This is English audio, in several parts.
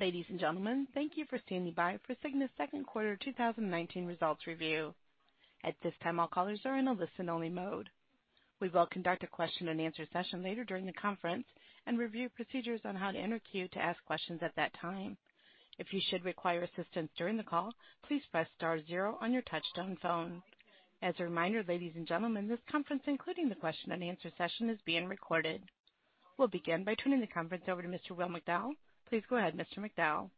Ladies and gentlemen, thank you for standing by for Cigna's second quarter 2019 results review. At this time, all callers are in a listen-only mode. We will conduct a question-and-answer session later during the conference and review procedures on how to enter queue to ask questions at that time. If you should require assistance during the call, please press star zero on your touch-tone phone. As a reminder, ladies and gentlemen, this conference, including the question-and-answer session, is being recorded. We'll begin by turning the conference over to Mr. Will McDowell. Please go ahead, Mr. McDowell.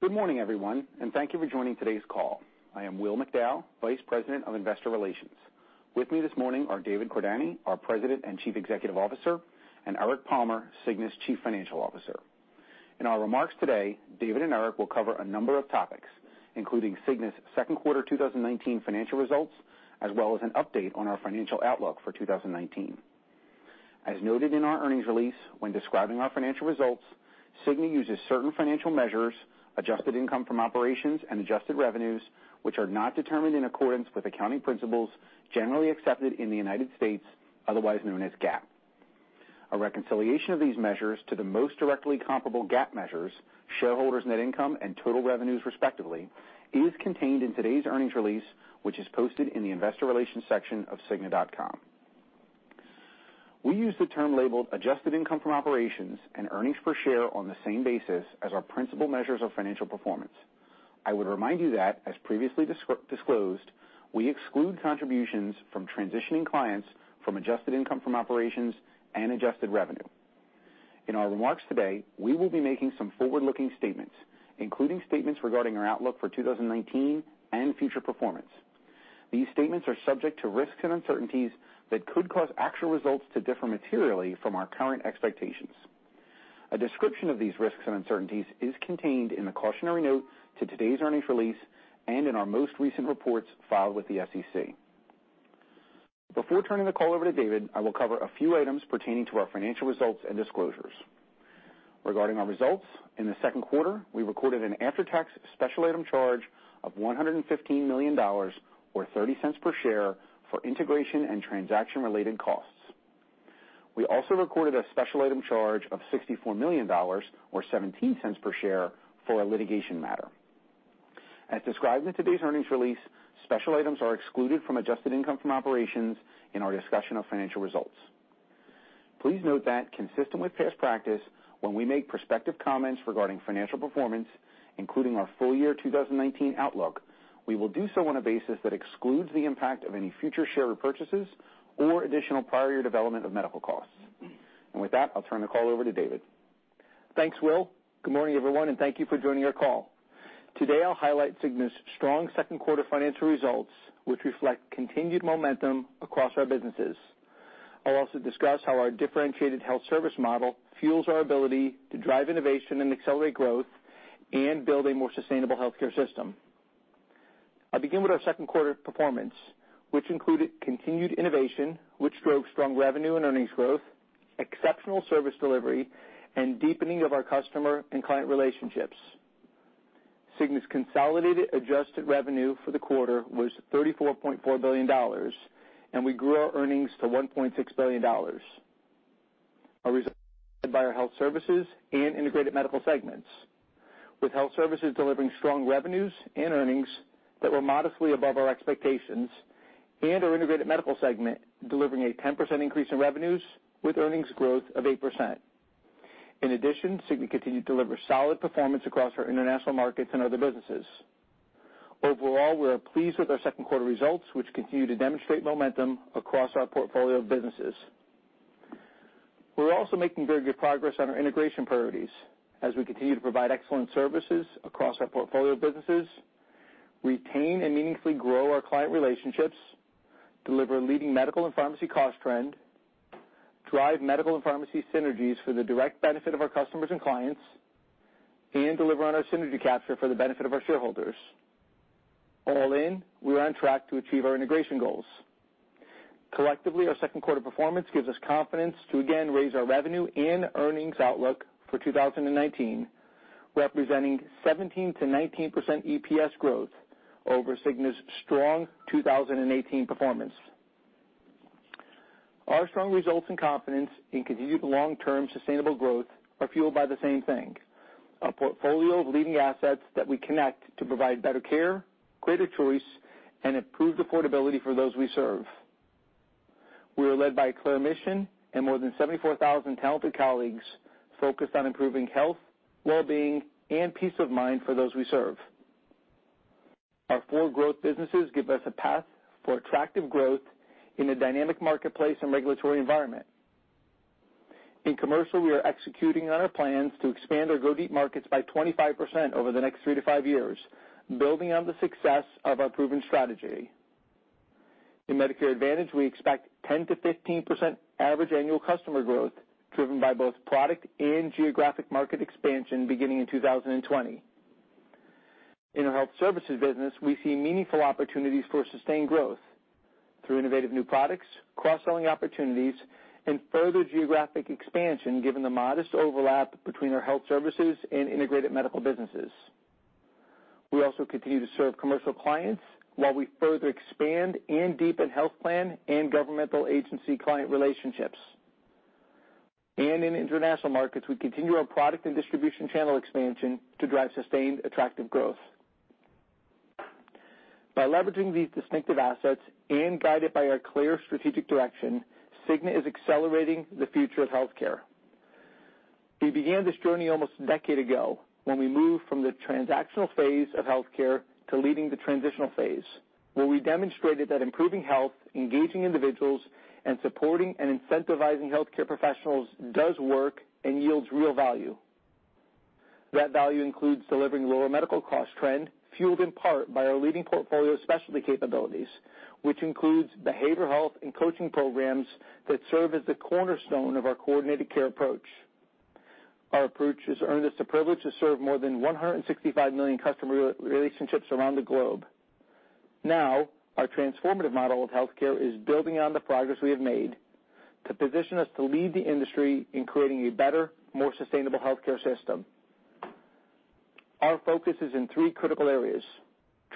Good morning, everyone, and thank you for joining today's call. I am Will McDowell, Vice President of Investor Relations. With me this morning are David Cordani, our President and Chief Executive Officer, and Eric Palmer, Cigna's Chief Financial Officer. In our remarks today, David and Eric will cover a number of topics, including Cigna's second quarter 2019 financial results, as well as an update on our financial outlook for 2019. As noted in our earnings release, when describing our financial results, Cigna uses certain financial measures, adjusted income from operations and adjusted revenues, which are not determined in accordance with accounting principles generally accepted in the United States, otherwise known as GAAP. A reconciliation of these measures to the most directly comparable GAAP measures, shareholders' net income and total revenues respectively, is contained in today's earnings release, which is posted in the investor relations section of cigna.com. We use the term labeled adjusted income from operations and earnings per share on the same basis as our principal measures of financial performance. I would remind you that, as previously disclosed, we exclude contributions from transitioning clients from adjusted income from operations and adjusted revenue. In our remarks today, we will be making some forward-looking statements, including statements regarding our outlook for 2019 and future performance. These statements are subject to risks and uncertainties that could cause actual results to differ materially from our current expectations. A description of these risks and uncertainties is contained in the cautionary note to today's earnings release and in our most recent reports filed with the SEC. Before turning the call over to David, I will cover a few items pertaining to our financial results and disclosures. Regarding our results, in the second quarter, we recorded an after-tax special item charge of $115 million, or $0.30 per share, for integration and transaction-related costs. We also recorded a special item charge of $64 million, or $0.17 per share, for a litigation matter. As described in today's earnings release, special items are excluded from adjusted income from operations in our discussion of financial results. Please note that consistent with past practice, when we make prospective comments regarding financial performance, including our full year 2019 outlook, we will do so on a basis that excludes the impact of any future share repurchases or additional prior year development of medical costs. With that, I'll turn the call over to David. Thanks, Will. Good morning, everyone, and thank you for joining our call. Today, I'll highlight Cigna's strong second quarter financial results, which reflect continued momentum across our businesses. I'll also discuss how our differentiated health service model fuels our ability to drive innovation and accelerate growth and build a more sustainable healthcare system. I'll begin with our second quarter performance, which included continued innovation, which drove strong revenue and earnings growth, exceptional service delivery, and deepening of our customer and client relationships. Cigna's consolidated adjusted revenue for the quarter was $34.4 billion, and we grew our earnings to $1.6 billion. Our results by our health services and integrated medical segments, with health services delivering strong revenues and earnings that were modestly above our expectations and our integrated medical segment delivering a 10% increase in revenues with earnings growth of 8%. In addition, Cigna continued to deliver solid performance across our international markets and other businesses. Overall, we are pleased with our second quarter results, which continue to demonstrate momentum across our portfolio of businesses. We're also making very good progress on our integration priorities as we continue to provide excellent services across our portfolio of businesses, retain and meaningfully grow our client relationships, deliver leading medical and pharmacy cost trend, drive medical and pharmacy synergies for the direct benefit of our customers and clients, and deliver on our synergy capture for the benefit of our shareholders. All in, we are on track to achieve our integration goals. Collectively, our second quarter performance gives us confidence to again raise our revenue and earnings outlook for 2019, representing 17%-19% EPS growth over Cigna's strong 2018 performance. Our strong results and confidence in continued long-term sustainable growth are fueled by the same thing, a portfolio of leading assets that we connect to provide better care, greater choice, and improved affordability for those we serve. We are led by a clear mission and more than 74,000 talented colleagues focused on improving health, well-being, and peace of mind for those we serve. Our four growth businesses give us a path for attractive growth in a dynamic marketplace and regulatory environment. In commercial, we are executing on our plans to expand our go-deep markets by 25% over the next three to five years, building on the success of our proven strategy. In Medicare Advantage, we expect 10%-15% average annual customer growth driven by both product and geographic market expansion beginning in 2020. In our health services business, we see meaningful opportunities for sustained growth through innovative new products, cross-selling opportunities, and further geographic expansion given the modest overlap between our health services and integrated medical businesses. We also continue to serve commercial clients while we further expand and deepen health plan and governmental agency client relationships. In international markets, we continue our product and distribution channel expansion to drive sustained attractive growth. By leveraging these distinctive assets and guided by our clear strategic direction, Cigna is accelerating the future of healthcare. We began this journey almost a decade ago when we moved from the transactional phase of healthcare to leading the transitional phase, where we demonstrated that improving health, engaging individuals, and supporting and incentivizing healthcare professionals does work and yields real value. That value includes delivering lower medical cost trend, fueled in part by our leading portfolio of specialty capabilities, which includes behavioral health and coaching programs that serve as the cornerstone of our coordinated care approach. Our approach has earned us the privilege to serve more than 165 million customer relationships around the globe. Our transformative model of healthcare is building on the progress we have made to position us to lead the industry in creating a better, more sustainable healthcare system. Our focus is in three critical areas.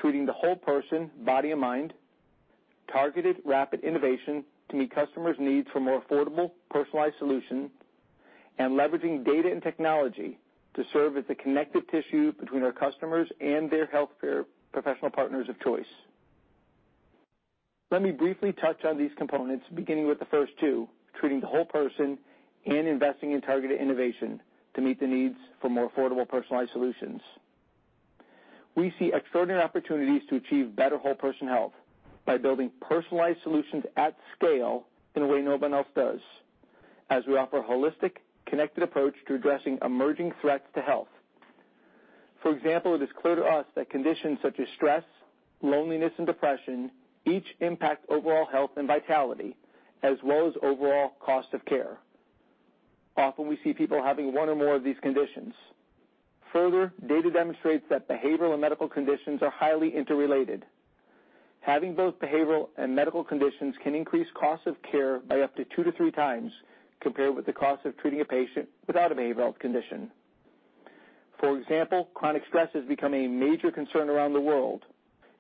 Treating the whole person, body, and mind. Targeted rapid innovation to meet customers' needs for more affordable, personalized solutions. Leveraging data and technology to serve as the connective tissue between our customers and their healthcare professional partners of choice. Let me briefly touch on these components, beginning with the first two, treating the whole person and investing in targeted innovation to meet the needs for more affordable personalized solutions. We see extraordinary opportunities to achieve better whole-person health by building personalized solutions at scale in a way no one else does, as we offer a holistic, connected approach to addressing emerging threats to health. For example, it is clear to us that conditions such as stress, loneliness, and depression each impact overall health and vitality, as well as overall cost of care. Often, we see people having one or more of these conditions. Further, data demonstrates that behavioral and medical conditions are highly interrelated. Having both behavioral and medical conditions can increase cost of care by up to two to three times compared with the cost of treating a patient without a behavioral condition. For example, chronic stress has become a major concern around the world.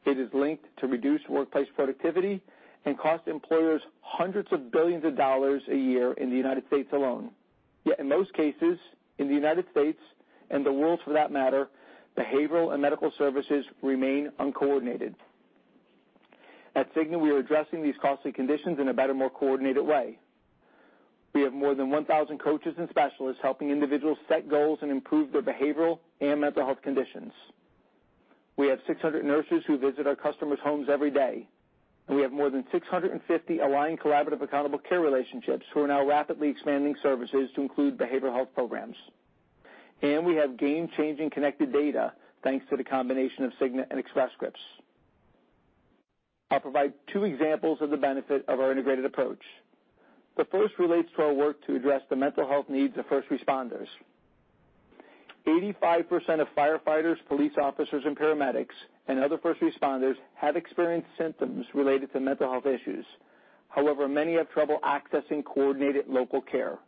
It is linked to reduced workplace productivity and costs employers hundreds of billions of dollars a year in the U.S. alone. In most cases, in the U.S. and the world for that matter, behavioral and medical services remain uncoordinated. At Cigna, we are addressing these costly conditions in a better, more coordinated way. We have more than 1,000 coaches and specialists helping individuals set goals and improve their behavioral and mental health conditions. We have 600 nurses who visit our customers' homes every day. We have more than 650 aligned collaborative accountable care relationships who are now rapidly expanding services to include behavioral health programs. We have game-changing connected data, thanks to the combination of Cigna and Express Scripts. I'll provide two examples of the benefit of our integrated approach. The first relates to our work to address the mental health needs of first responders. 85% of firefighters, police officers and paramedics, and other first responders have experienced symptoms related to mental health issues. However, many have trouble accessing coordinated local care.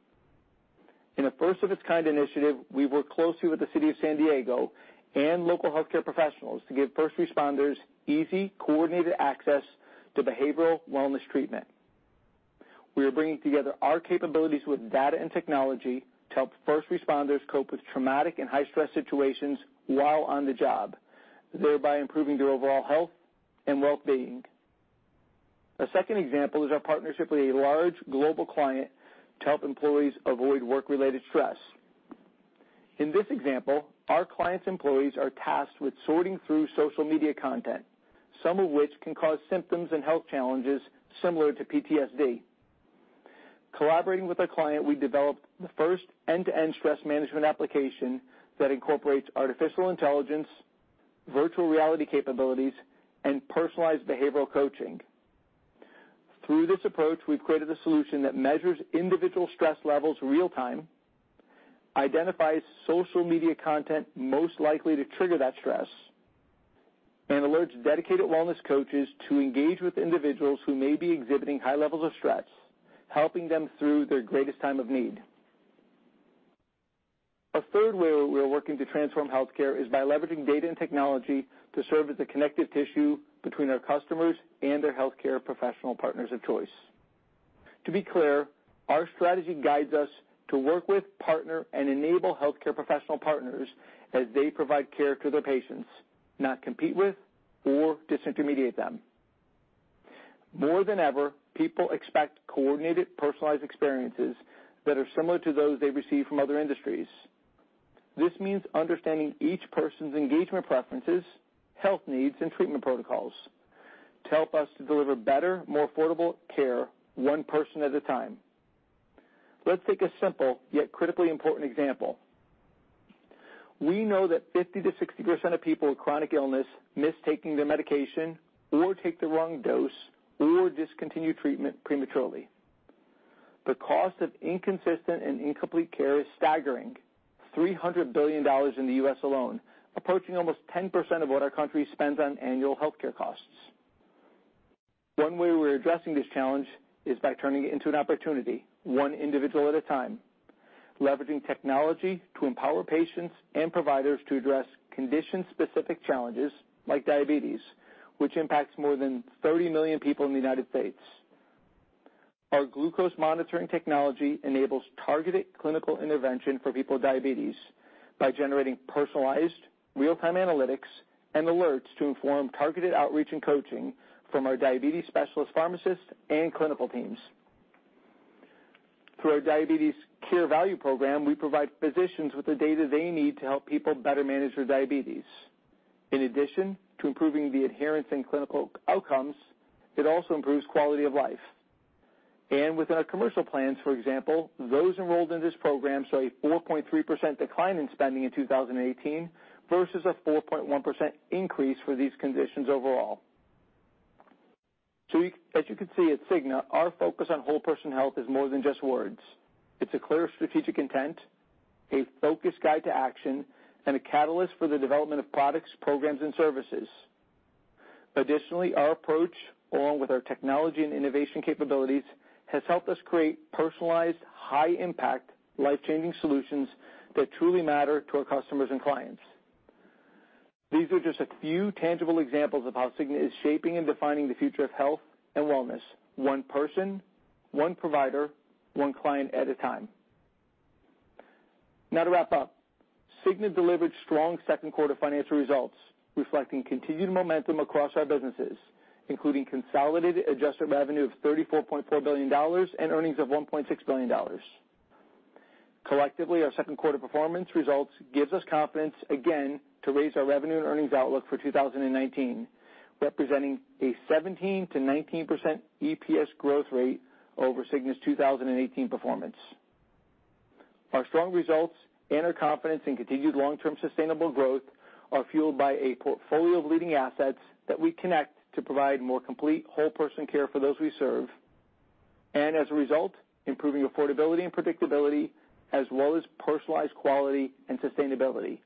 In a first-of-its-kind initiative, we work closely with the city of San Diego and local healthcare professionals to give first responders easy, coordinated access to behavioral wellness treatment. We are bringing together our capabilities with data and technology to help first responders cope with traumatic and high-stress situations while on the job, thereby improving their overall health and wellbeing. A second example is our partnership with a large global client to help employees avoid work-related stress. In this example, our client's employees are tasked with sorting through social media content, some of which can cause symptoms and health challenges similar to PTSD. Collaborating with our client, we developed the first end-to-end stress management application that incorporates artificial intelligence, virtual reality capabilities, and personalized behavioral coaching. Through this approach, we've created a solution that measures individual stress levels in real time, identifies social media content most likely to trigger that stress, and alerts dedicated wellness coaches to engage with individuals who may be exhibiting high levels of stress, helping them through their greatest time of need. A third way we're working to transform healthcare is by leveraging data and technology to serve as the connective tissue between our customers and their healthcare professional partners of choice. To be clear, our strategy guides us to work with, partner, and enable healthcare professional partners as they provide care to their patients, not compete with or disintermediate them. More than ever, people expect coordinated, personalized experiences that are similar to those they receive from other industries. This means understanding each person's engagement preferences, health needs, and treatment protocols to help us to deliver better, more affordable care one person at a time. Let's take a simple, yet critically important example. We know that 50%-60% of people with chronic illness miss taking their medication or take the wrong dose or discontinue treatment prematurely. The cost of inconsistent and incomplete care is staggering. $300 billion in the U.S. alone, approaching almost 10% of what our country spends on annual healthcare costs. One way we're addressing this challenge is by turning it into an opportunity, one individual at a time, leveraging technology to empower patients and providers to address condition-specific challenges like diabetes, which impacts more than 30 million people in the United States. Our glucose monitoring technology enables targeted clinical intervention for people with diabetes by generating personalized real-time analytics and alerts to inform targeted outreach and coaching from our diabetes specialist pharmacists and clinical teams. Through our Diabetes Care Value Program, we provide physicians with the data they need to help people better manage their diabetes. In addition to improving the adherence in clinical outcomes, it also improves quality of life. Within our commercial plans, for example, those enrolled in this program saw a 4.3% decline in spending in 2018 versus a 4.1% increase for these conditions overall. As you can see, at Cigna, our focus on whole-person health is more than just words. It's a clear strategic intent, a focused guide to action, and a catalyst for the development of products, programs, and services. Additionally, our approach, along with our technology and innovation capabilities, has helped us create personalized, high-impact, life-changing solutions that truly matter to our customers and clients. These are just a few tangible examples of how Cigna is shaping and defining the future of health and wellness, one person, one provider, one client at a time. To wrap up, Cigna delivered strong second quarter financial results reflecting continued momentum across our businesses, including consolidated adjusted revenue of $34.4 billion and earnings of $1.6 billion. Collectively, our second quarter performance results gives us confidence again to raise our revenue and earnings outlook for 2019, representing a 17%-19% EPS growth rate over Cigna's 2018 performance. Our strong results and our confidence in continued long-term sustainable growth are fueled by a portfolio of leading assets that we connect to provide more complete whole-person care for those we serve and, as a result, improving affordability and predictability, as well as personalized quality and sustainability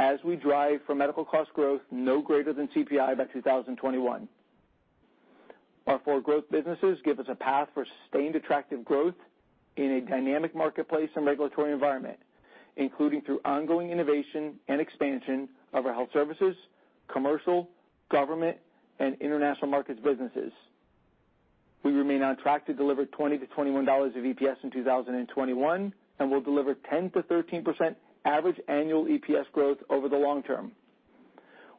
as we drive for medical cost growth no greater than CPI by 2021. Our four growth businesses give us a path for sustained attractive growth in a dynamic marketplace and regulatory environment, including through ongoing innovation and expansion of our health services, commercial, government, and international markets businesses. We remain on track to deliver $20-$21 of EPS in 2021, and we'll deliver 10%-13% average annual EPS growth over the long term.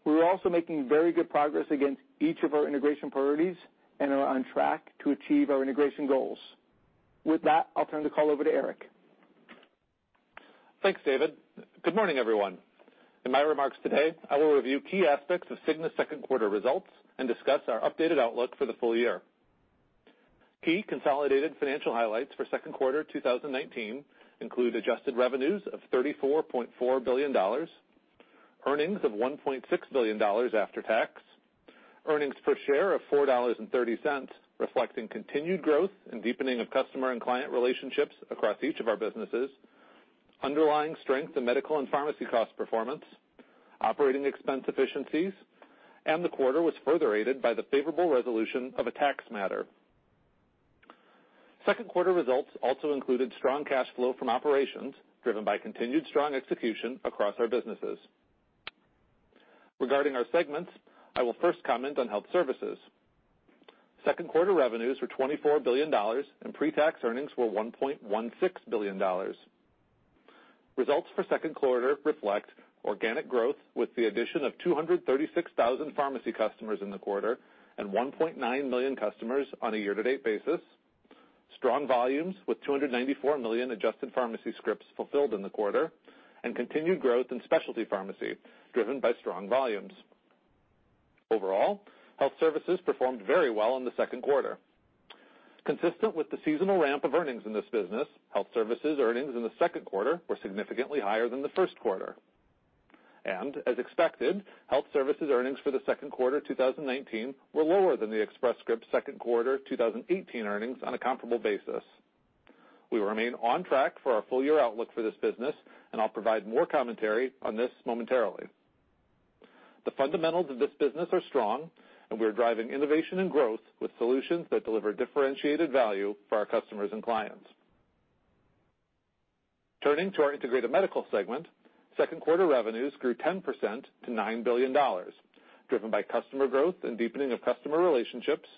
We're also making very good progress against each of our integration priorities and are on track to achieve our integration goals. With that, I'll turn the call over to Eric. Thanks, David. Good morning, everyone. In my remarks today, I will review key aspects of Cigna's second quarter results and discuss our updated outlook for the full year. Key consolidated financial highlights for second quarter 2019 include adjusted revenues of $34.4 billion, earnings of $1.6 billion after tax, earnings per share of $4.30, reflecting continued growth and deepening of customer and client relationships across each of our businesses, underlying strength in medical and pharmacy cost performance, operating expense efficiencies, and the quarter was further aided by the favorable resolution of a tax matter. Second quarter results also included strong cash flow from operations, driven by continued strong execution across our businesses. Regarding our segments, I will first comment on health services. Second quarter revenues were $24 billion, and pre-tax earnings were $1.16 billion. Results for second quarter reflect organic growth with the addition of 236,000 pharmacy customers in the quarter and 1.9 million customers on a year-to-date basis, strong volumes with 294 million adjusted pharmacy scripts fulfilled in the quarter, continued growth in specialty pharmacy, driven by strong volumes. Overall, health services performed very well in the second quarter. Consistent with the seasonal ramp of earnings in this business, health services earnings in the second quarter were significantly higher than the first quarter. As expected, health services earnings for the second quarter 2019 were lower than the Express Scripts second quarter 2018 earnings on a comparable basis. We remain on track for our full-year outlook for this business, and I'll provide more commentary on this momentarily. The fundamentals of this business are strong, we are driving innovation and growth with solutions that deliver differentiated value for our customers and clients. Turning to our Integrated Medical segment, second quarter revenues grew 10% to $9 billion, driven by customer growth and deepening of customer relationships,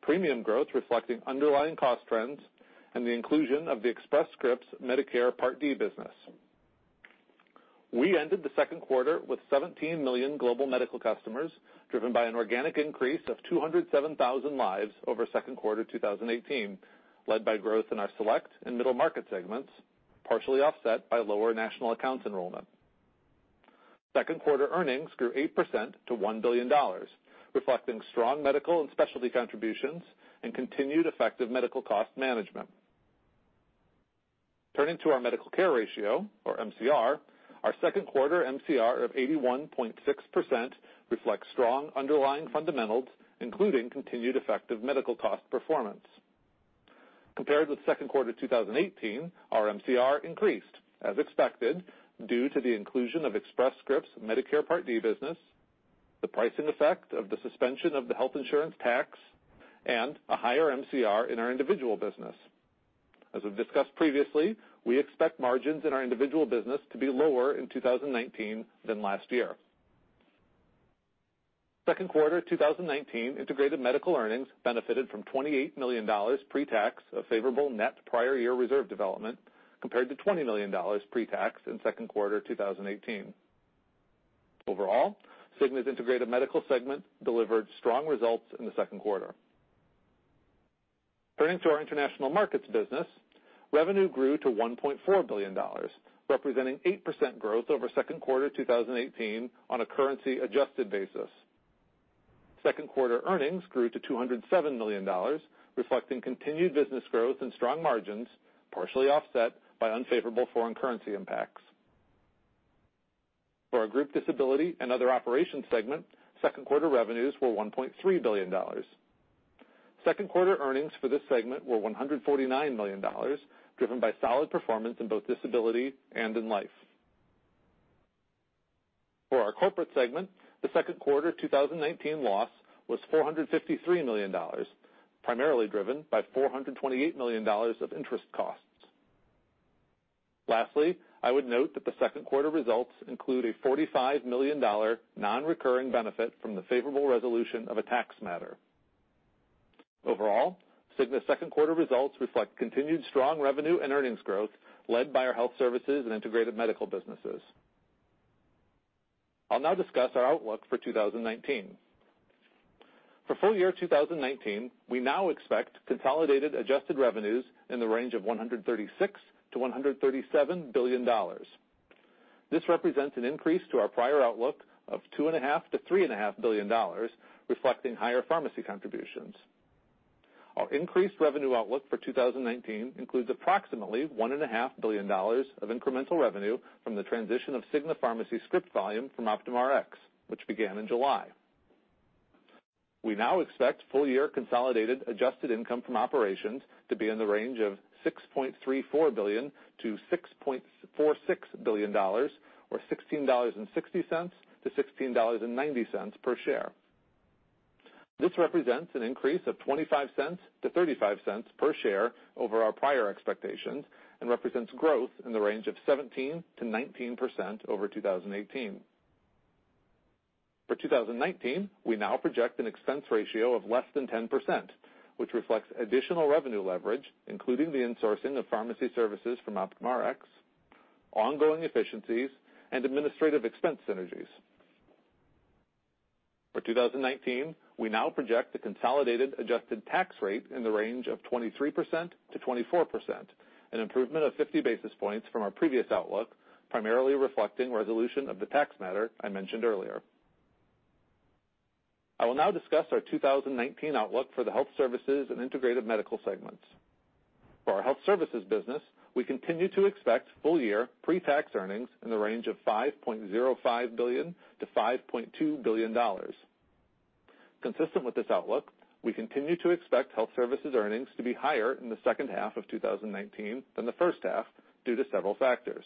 premium growth reflecting underlying cost trends, and the inclusion of the Express Scripts Medicare Part D business. We ended the second quarter with 17 million global medical customers, driven by an organic increase of 207,000 lives over second quarter 2018, led by growth in our select and middle market segments, partially offset by lower national accounts enrollment. Second quarter earnings grew 8% to $1 billion, reflecting strong medical and specialty contributions and continued effective medical cost management. Turning to our medical care ratio, or MCR, our second quarter MCR of 81.6% reflects strong underlying fundamentals, including continued effective medical cost performance. Compared with second quarter 2018, our MCR increased as expected due to the inclusion of Express Scripts Medicare Part D business, the pricing effect of the suspension of the health insurance tax, and a higher MCR in our individual business. As we've discussed previously, we expect margins in our individual business to be lower in 2019 than last year. Second quarter 2019 integrated medical earnings benefited from $28 million pre-tax of favorable net prior year reserve development, compared to $20 million pre-tax in second quarter 2018. Overall, Cigna's Integrated Medical segment delivered strong results in the second quarter. Turning to our International Markets business, revenue grew to $1.4 billion, representing 8% growth over second quarter 2018 on a currency-adjusted basis. Second quarter earnings grew to $207 million, reflecting continued business growth and strong margins, partially offset by unfavorable foreign currency impacts. For our Group Disability and Other Operations segment, second quarter revenues were $1.3 billion. Second quarter earnings for this segment were $149 million, driven by solid performance in both disability and in life. For our Corporate segment, the second quarter 2019 loss was $453 million, primarily driven by $428 million of interest costs. Lastly, I would note that the second quarter results include a $45 million non-recurring benefit from the favorable resolution of a tax matter. Overall, Cigna's second quarter results reflect continued strong revenue and earnings growth, led by our health services and integrated medical businesses. I'll now discuss our outlook for 2019. For full year 2019, we now expect consolidated adjusted revenues in the range of $136 billion-$137 billion. This represents an increase to our prior outlook of $2.5 billion-$3.5 billion, reflecting higher pharmacy contributions. Our increased revenue outlook for 2019 includes approximately $1.5 billion of incremental revenue from the transition of Cigna Pharmacy script volume from Optum Rx, which began in July. We now expect full year consolidated adjusted income from operations to be in the range of $6.34 billion-$6.46 billion, or $16.60-$16.90 per share. This represents an increase of $0.25-$0.35 per share over our prior expectations, represents growth in the range of 17%-19% over 2018. For 2019, we now project an expense ratio of less than 10%, which reflects additional revenue leverage, including the insourcing of pharmacy services from Optum Rx, ongoing efficiencies, and administrative expense synergies. For 2019, we now project a consolidated adjusted tax rate in the range of 23%-24%, an improvement of 50 basis points from our previous outlook, primarily reflecting resolution of the tax matter I mentioned earlier. I will now discuss our 2019 outlook for the Health Services and Integrated Medical segments. For our Health Services business, we continue to expect full year pre-tax earnings in the range of $5.05 billion-$5.2 billion. Consistent with this outlook, we continue to expect Health Services earnings to be higher in the second half of 2019 than the first half due to several factors.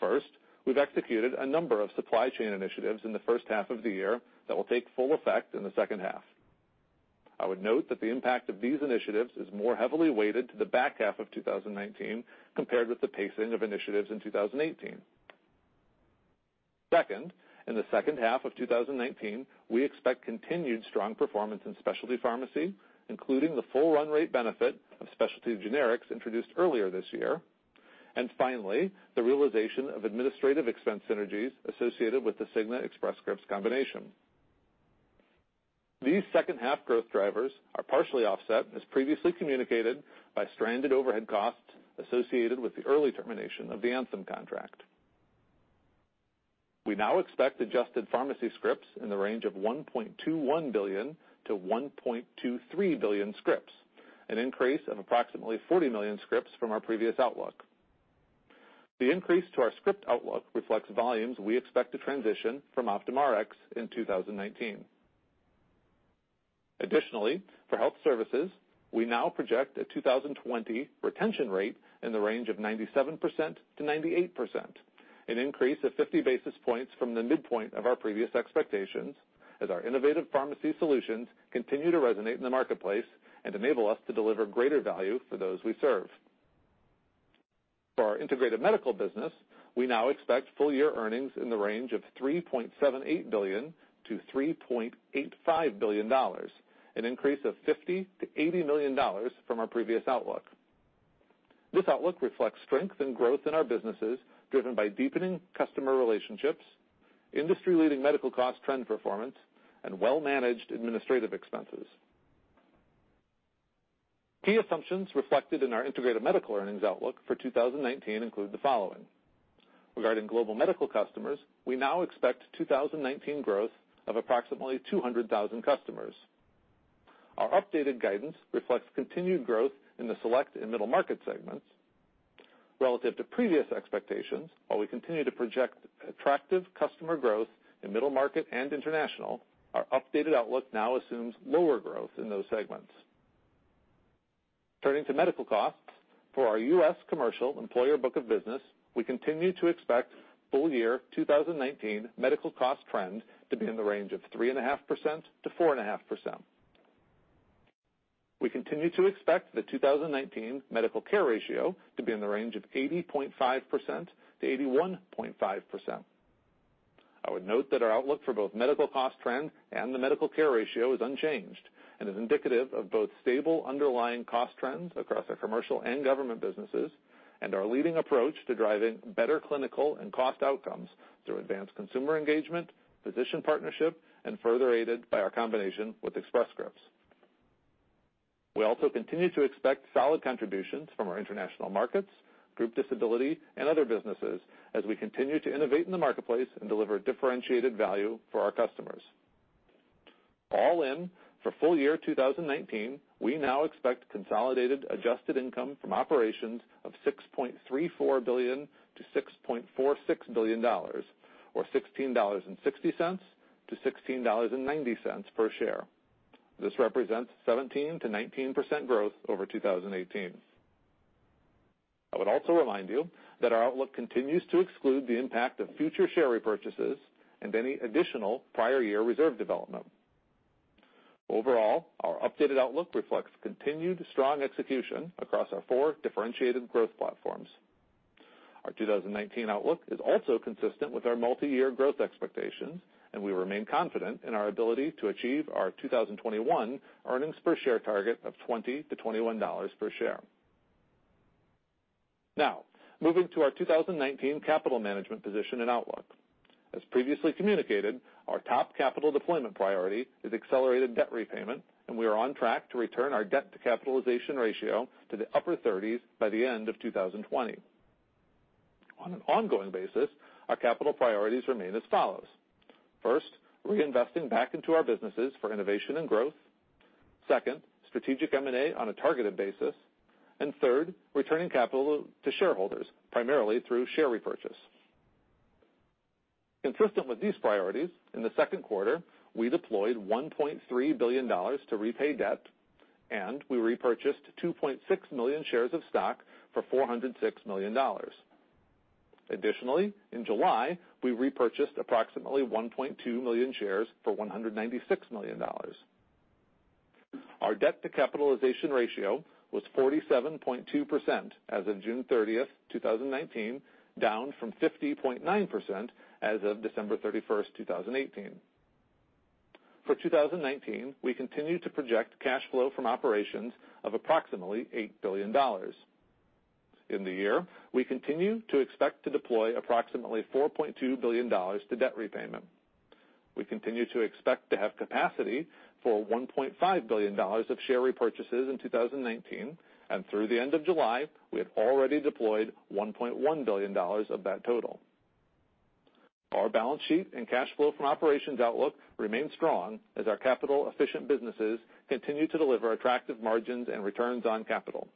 First, we've executed a number of supply chain initiatives in the first half of the year that will take full effect in the second half. I would note that the impact of these initiatives is more heavily weighted to the back half of 2019 compared with the pacing of initiatives in 2018. In the second half of 2019, we expect continued strong performance in specialty pharmacy, including the full run rate benefit of specialty generics introduced earlier this year. Finally, the realization of administrative expense synergies associated with the Cigna Express Scripts combination. These second half growth drivers are partially offset, as previously communicated, by stranded overhead costs associated with the early termination of the Anthem contract. We now expect adjusted pharmacy scripts in the range of 1.21 billion-1.23 billion scripts, an increase of approximately 40 million scripts from our previous outlook. The increase to our script outlook reflects volumes we expect to transition from OptumRx in 2019. Additionally, for health services, we now project a 2020 retention rate in the range of 97%-98%, an increase of 50 basis points from the midpoint of our previous expectations, as our innovative pharmacy solutions continue to resonate in the marketplace and enable us to deliver greater value for those we serve. For our integrated medical business, we now expect full year earnings in the range of $3.78 billion-$3.85 billion, an increase of $50 million-$80 million from our previous outlook. This outlook reflects strength and growth in our businesses, driven by deepening customer relationships, industry-leading medical cost trend performance, and well-managed administrative expenses. Key assumptions reflected in our integrated medical earnings outlook for 2019 include the following. Regarding global medical customers, we now expect 2019 growth of approximately 200,000 customers. Our updated guidance reflects continued growth in the select and middle market segments. Relative to previous expectations, while we continue to project attractive customer growth in middle market and international, our updated outlook now assumes lower growth in those segments. Turning to medical costs, for our U.S. commercial employer book of business, we continue to expect full year 2019 medical cost trend to be in the range of 3.5%-4.5%. We continue to expect the 2019 medical care ratio to be in the range of 80.5%-81.5%. I would note that our outlook for both medical cost trend and the medical care ratio is unchanged and is indicative of both stable underlying cost trends across our commercial and government businesses and our leading approach to driving better clinical and cost outcomes through advanced consumer engagement, physician partnership, and further aided by our combination with Express Scripts. We also continue to expect solid contributions from our international markets, group disability, and other businesses as we continue to innovate in the marketplace and deliver differentiated value for our customers. All in, for full year 2019, we now expect consolidated adjusted income from operations of $6.34 billion-$6.46 billion, or $16.60-$16.90 per share. This represents 17%-19% growth over 2018. I would also remind you that our outlook continues to exclude the impact of future share repurchases and any additional prior year reserve development. Overall, our updated outlook reflects continued strong execution across our four differentiated growth platforms. Our 2019 outlook is also consistent with our multi-year growth expectations, and we remain confident in our ability to achieve our 2021 earnings per share target of $20-$21 per share. Now, moving to our 2019 capital management position and outlook. As previously communicated, our top capital deployment priority is accelerated debt repayment, and we are on track to return our debt to capitalization ratio to the upper 30s by the end of 2020. On an ongoing basis, our capital priorities remain as follows. First, reinvesting back into our businesses for innovation and growth. Second, strategic M&A on a targeted basis, and third, returning capital to shareholders, primarily through share repurchase. Consistent with these priorities, in the second quarter, we deployed $1.3 billion to repay debt, and we repurchased 2.6 million shares of stock for $406 million. Additionally, in July, we repurchased approximately 1.2 million shares for $196 million. Our debt to capitalization ratio was 47.2% as of June 30th, 2019, down from 50.9% as of December 31st, 2018. For 2019, we continue to project cash flow from operations of approximately $8 billion. In the year, we continue to expect to deploy approximately $4.2 billion to debt repayment. We continue to expect to have capacity for $1.5 billion of share repurchases in 2019, and through the end of July, we have already deployed $1.1 billion of that total. Our balance sheet and cash flow from operations outlook remain strong as our capital efficient businesses continue to deliver attractive margins and returns on capital.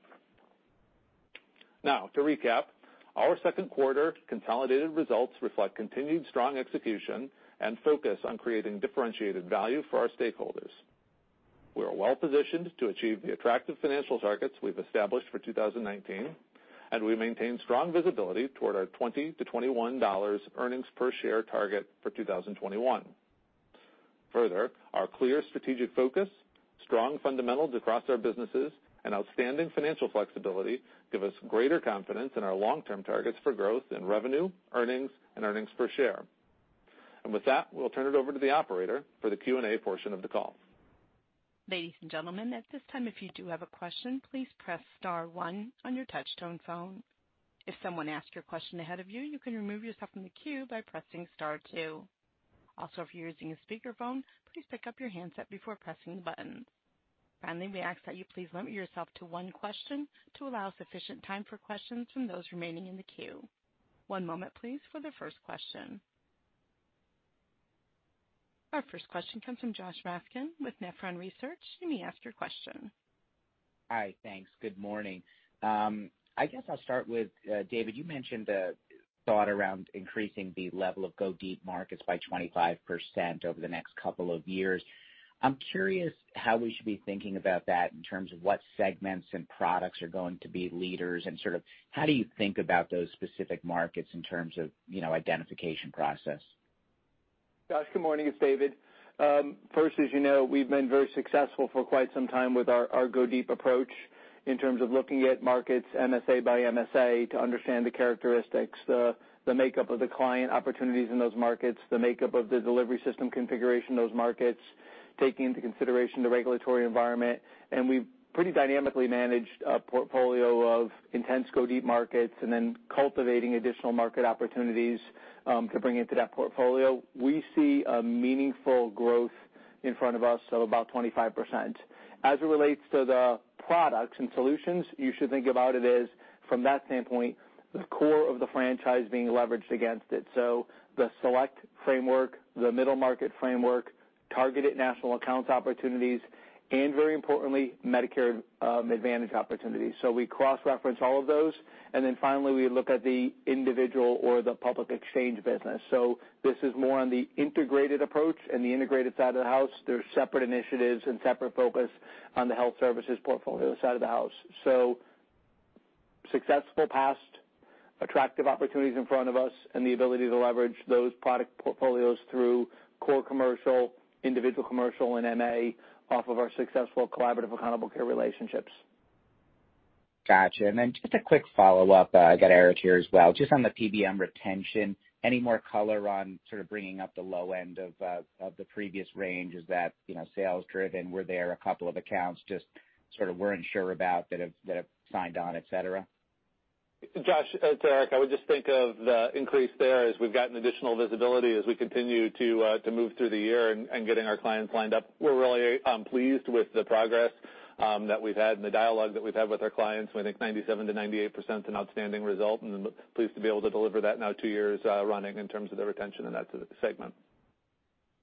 Now to recap, our second quarter consolidated results reflect continued strong execution and focus on creating differentiated value for our stakeholders. We are well positioned to achieve the attractive financial targets we've established for 2019, and we maintain strong visibility toward our $20-$21 earnings per share target for 2021. Further, our clear strategic focus, strong fundamentals across our businesses, and outstanding financial flexibility give us greater confidence in our long-term targets for growth in revenue, earnings, and earnings per share. With that, we'll turn it over to the operator for the Q&A portion of the call. Ladies and gentlemen, at this time, if you do have a question, please press star one on your touch-tone phone. If someone asks your question ahead of you can remove yourself from the queue by pressing star two. Also, if you're using a speakerphone, please pick up your handset before pressing the buttons. Finally, we ask that you please limit yourself to one question to allow sufficient time for questions from those remaining in the queue. One moment, please, for the first question. Our first question comes from Josh Raskin with Nephron Research. You may ask your question. Hi. Thanks. Good morning. I guess I'll start with, David, you mentioned the thought around increasing the level of go-deep markets by 25% over the next couple of years. I'm curious how we should be thinking about that in terms of what segments and products are going to be leaders and how do you think about those specific markets in terms of identification process? Josh, good morning. It's David. As you know, we've been very successful for quite some time with our go-deep approach in terms of looking at markets MSA by MSA to understand the characteristics, the makeup of the client opportunities in those markets, the makeup of the delivery system configuration in those markets, taking into consideration the regulatory environment. We've pretty dynamically managed a portfolio of intense go-deep markets and then cultivating additional market opportunities to bring into that portfolio. We see a meaningful growth in front of us of about 25%. As it relates to the products and solutions, you should think about it as, from that standpoint, the core of the franchise being leveraged against it, the select framework, the middle market framework. Targeted national accounts opportunities, and very importantly, Medicare Advantage opportunities. We cross-reference all of those, and then finally, we look at the individual or the public exchange business. This is more on the integrated approach and the integrated side of the house. There's separate initiatives and separate focus on the health services portfolio side of the house. Successful past, attractive opportunities in front of us, and the ability to leverage those product portfolios through core commercial, individual commercial, and MA off of our successful collaborative accountable care relationships. Got you. Just a quick follow-up. I got Eric here as well. Just on the PBM retention, any more color on sort of bringing up the low end of the previous range? Is that sales-driven? Were there a couple of accounts just sort of weren't sure about that have signed on, et cetera? Josh, it's Eric. I would just think of the increase there as we've gotten additional visibility as we continue to move through the year and getting our clients lined up. We're really pleased with the progress that we've had and the dialogue that we've had with our clients. We think 97%-98% is an outstanding result, and pleased to be able to deliver that now two years running in terms of the retention in that segment.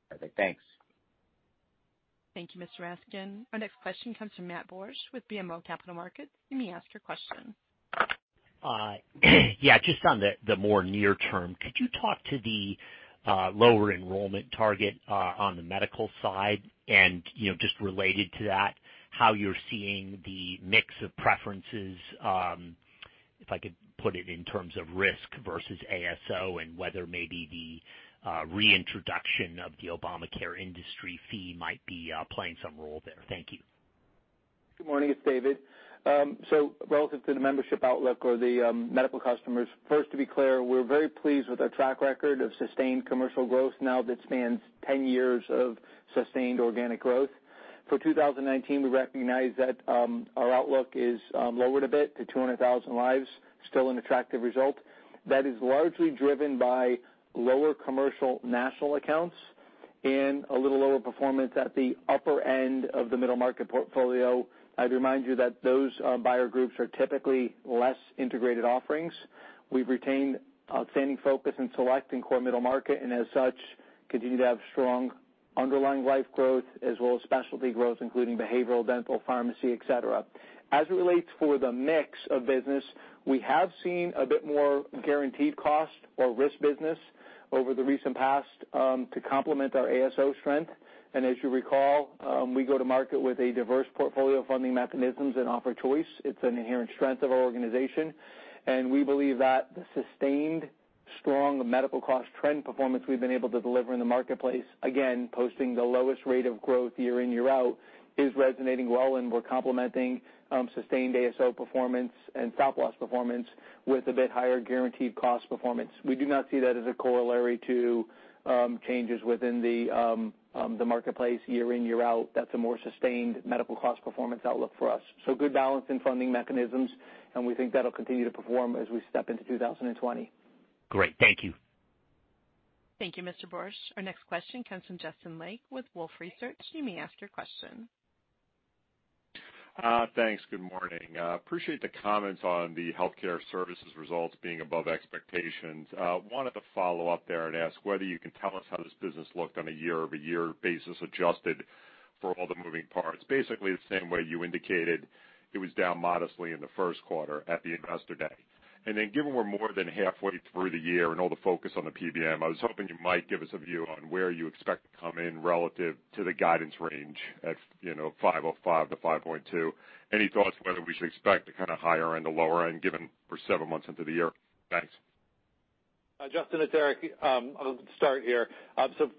Perfect. Thanks. Thank you, Mr. Raskin. Our next question comes from Matthew Borsch with BMO Capital Markets. You may ask your question. Yeah, just on the more near term, could you talk to the lower enrollment target on the medical side and, just related to that, how you're seeing the mix of preferences, if I could put it in terms of risk versus ASO, and whether maybe the reintroduction of the Obamacare industry fee might be playing some role there? Thank you. Good morning. It's David. Relative to the membership outlook or the medical customers, first, to be clear, we're very pleased with our track record of sustained commercial growth now that spans 10 years of sustained organic growth. For 2019, we recognize that our outlook is lowered a bit to 200,000 lives, still an attractive result. That is largely driven by lower commercial national accounts and a little lower performance at the upper end of the middle market portfolio. I'd remind you that those buyer groups are typically less integrated offerings. We've retained outstanding focus in selecting core middle market, and as such, continue to have strong underlying life growth as well as specialty growth, including behavioral, dental, pharmacy, et cetera. As it relates for the mix of business, we have seen a bit more guaranteed cost or risk business over the recent past to complement our ASO strength. As you recall, we go to market with a diverse portfolio of funding mechanisms and offer choice. It's an inherent strength of our organization, and we believe that the sustained strong medical cost trend performance we've been able to deliver in the marketplace, again, posting the lowest rate of growth year in, year out, is resonating well, and we're complementing sustained ASO performance and stop-loss performance with a bit higher guaranteed cost performance. We do not see that as a corollary to changes within the marketplace year in, year out. That's a more sustained medical cost performance outlook for us. Good balance in funding mechanisms, and we think that'll continue to perform as we step into 2020. Great. Thank you. Thank you, Mr. Borsch. Our next question comes from Justin Lake with Wolfe Research. You may ask your question. Thanks. Good morning. Appreciate the comments on the healthcare services results being above expectations. Wanted to follow up there and ask whether you can tell us how this business looked on a year-over-year basis, adjusted for all the moving parts. Basically, the same way you indicated it was down modestly in the first quarter at the Investor Day. Given we're more than halfway through the year and all the focus on the PBM, I was hoping you might give us a view on where you expect to come in relative to the guidance range at $5.05 to $5.2. Any thoughts whether we should expect the kind of higher end or lower end given we're seven months into the year? Thanks. Justin, it's Eric. I'll start here.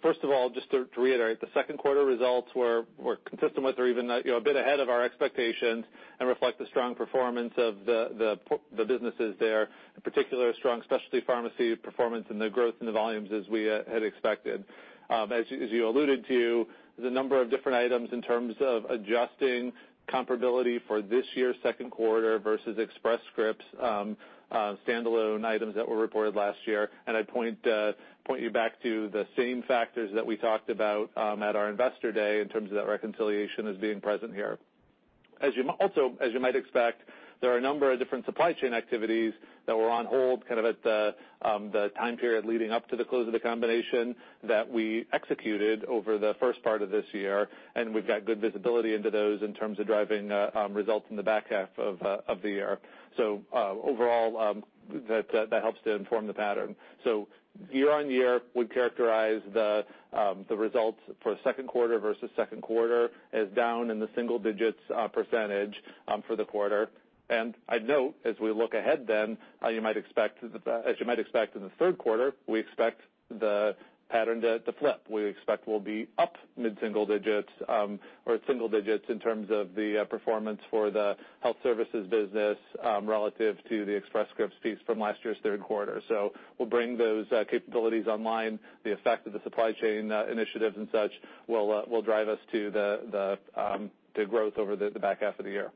First of all, just to reiterate, the second quarter results were consistent with or even a bit ahead of our expectations and reflect the strong performance of the businesses there, in particular, strong specialty pharmacy performance and the growth in the volumes as we had expected. As you alluded to, there's a number of different items in terms of adjusting comparability for this year's second quarter versus Express Scripts standalone items that were reported last year. I'd point you back to the same factors that we talked about at our Investor Day in terms of that reconciliation as being present here. As you might expect, there are a number of different supply chain activities that were on hold kind of at the time period leading up to the close of the combination that we executed over the first part of this year, and we've got good visibility into those in terms of driving results in the back half of the year. Overall, that helps to inform the pattern. Year-on-year, we characterize the results for second quarter versus second quarter as down in the single digits % for the quarter. I'd note, as we look ahead then, as you might expect in the third quarter, we expect the pattern to flip. We expect we'll be up mid-single digits or single digits in terms of the performance for the health services business relative to the Express Scripts piece from last year's third quarter. We'll bring those capabilities online. The effect of the supply chain initiatives and such will drive us to the growth over the back half of the year.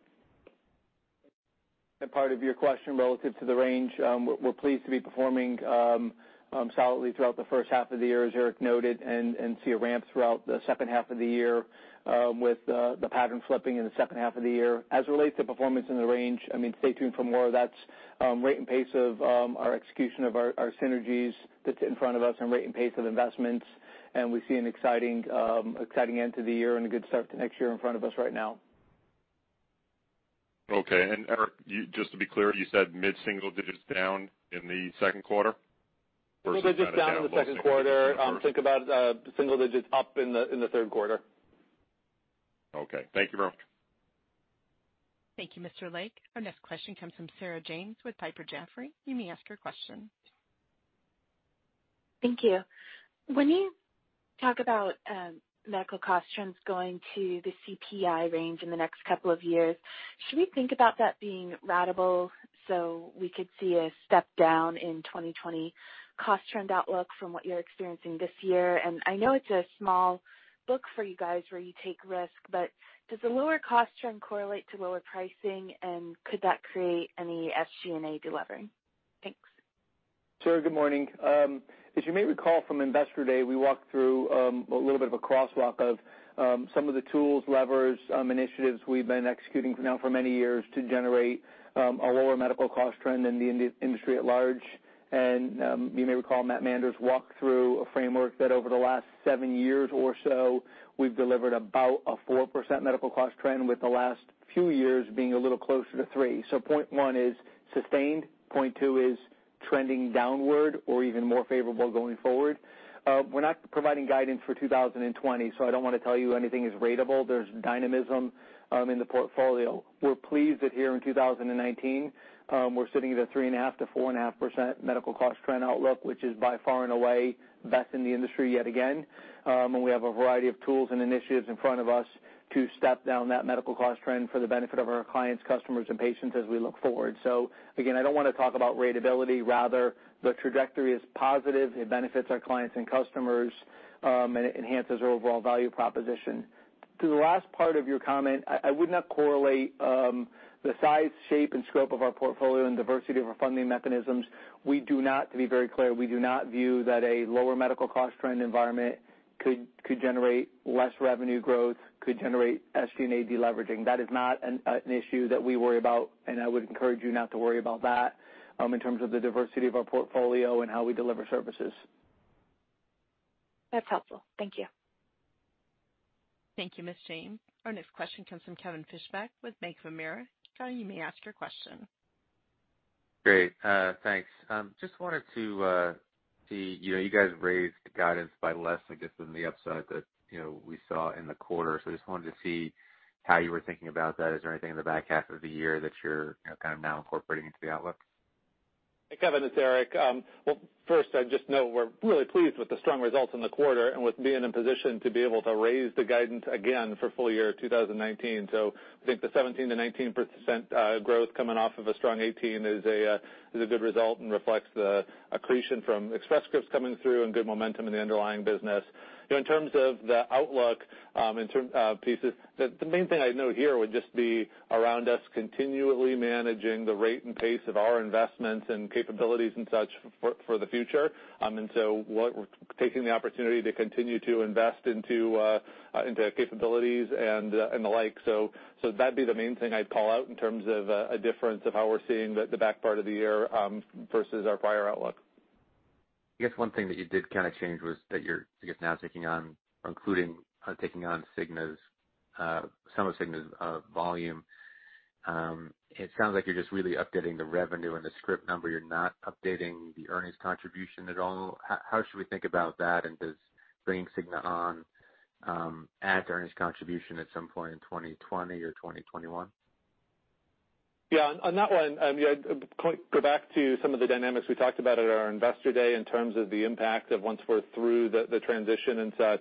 Part of your question relative to the range, we're pleased to be performing solidly throughout the first half of the year, as Eric noted, and see a ramp throughout the second half of the year with the pattern flipping in the second half of the year. As it relates to performance in the range, stay tuned for more of that. Rate and pace of our execution of our synergies that's in front of us and rate and pace of investments, and we see an exciting end to the year and a good start to next year in front of us right now. Okay. Eric, just to be clear, you said mid-single digits down in the second quarter versus kind of down low single digits? Single digits down in the second quarter. Think about single digits up in the third quarter. Okay. Thank you very much. Thank you, Mr. Lake. Our next question comes from Sarah James with Piper Jaffray. You may ask your question. Thank you. When you talk about medical cost trends going to the CPI range in the next couple of years, should we think about that being ratable, so we could see a step down in 2020 cost trend outlook from what you're experiencing this year? I know it's a small book for you guys where you take risks, but does the lower cost trend correlate to lower pricing, and could that create any SG&A delevering? Thanks. Sarah, good morning. As you may recall from Investor Day, we walked through, a little bit of a crosswalk of some of the tools, levers, initiatives we've been executing now for many years to generate a lower medical cost trend than the industry at large. You may recall Matthew Manders walk through a framework that over the last seven years or so, we've delivered about a 4% medical cost trend, with the last few years being a little closer to 3%. Point one is sustained. Point two is trending downward or even more favorable going forward. We're not providing guidance for 2020, I don't want to tell you anything is ratable. There's dynamism in the portfolio. We're pleased that here in 2019, we're sitting at a 3.5%-4.5% medical cost trend outlook, which is by far and away best in the industry yet again. We have a variety of tools and initiatives in front of us to step down that medical cost trend for the benefit of our clients, customers, and patients as we look forward. Again, I don't want to talk about ratability. Rather, the trajectory is positive. It benefits our clients and customers, and it enhances our overall value proposition. To the last part of your comment, I would not correlate the size, shape, and scope of our portfolio and diversity of our funding mechanisms. To be very clear, we do not view that a lower medical cost trend environment could generate less revenue growth, could generate SG&A deleveraging. That is not an issue that we worry about, and I would encourage you not to worry about that, in terms of the diversity of our portfolio and how we deliver services. That's helpful. Thank you. Thank you, Ms. James. Our next question comes from Kevin Fischbeck with Bank of America. Kevin, you may ask your question. Great, thanks. Just wanted to see, you guys raised guidance by less, I guess, than the upside that we saw in the quarter. Just wanted to see how you were thinking about that. Is there anything in the back half of the year that you're now incorporating into the outlook? Hey, Kevin, it's Eric. Well, first, just know we're really pleased with the strong results in the quarter and with being in position to be able to raise the guidance again for full year 2019. I think the 17%-19% growth coming off of a strong 2018 is a good result and reflects the accretion from Express Scripts coming through and good momentum in the underlying business. In terms of the outlook pieces, the main thing I'd note here would just be around us continually managing the rate and pace of our investments and capabilities and such for the future. Taking the opportunity to continue to invest into capabilities and the like. That'd be the main thing I'd call out in terms of a difference of how we're seeing the back part of the year versus our prior outlook. I guess one thing that you did kind of change was that you're, I guess, now taking on, including taking on some of Cigna's volume. It sounds like you're just really updating the revenue and the script number. You're not updating the earnings contribution at all. How should we think about that? Does bringing Cigna on add earnings contribution at some point in 2020 or 2021? Yeah, on that one, go back to some of the dynamics we talked about at our Investor Day in terms of the impact of once we're through the transition and such.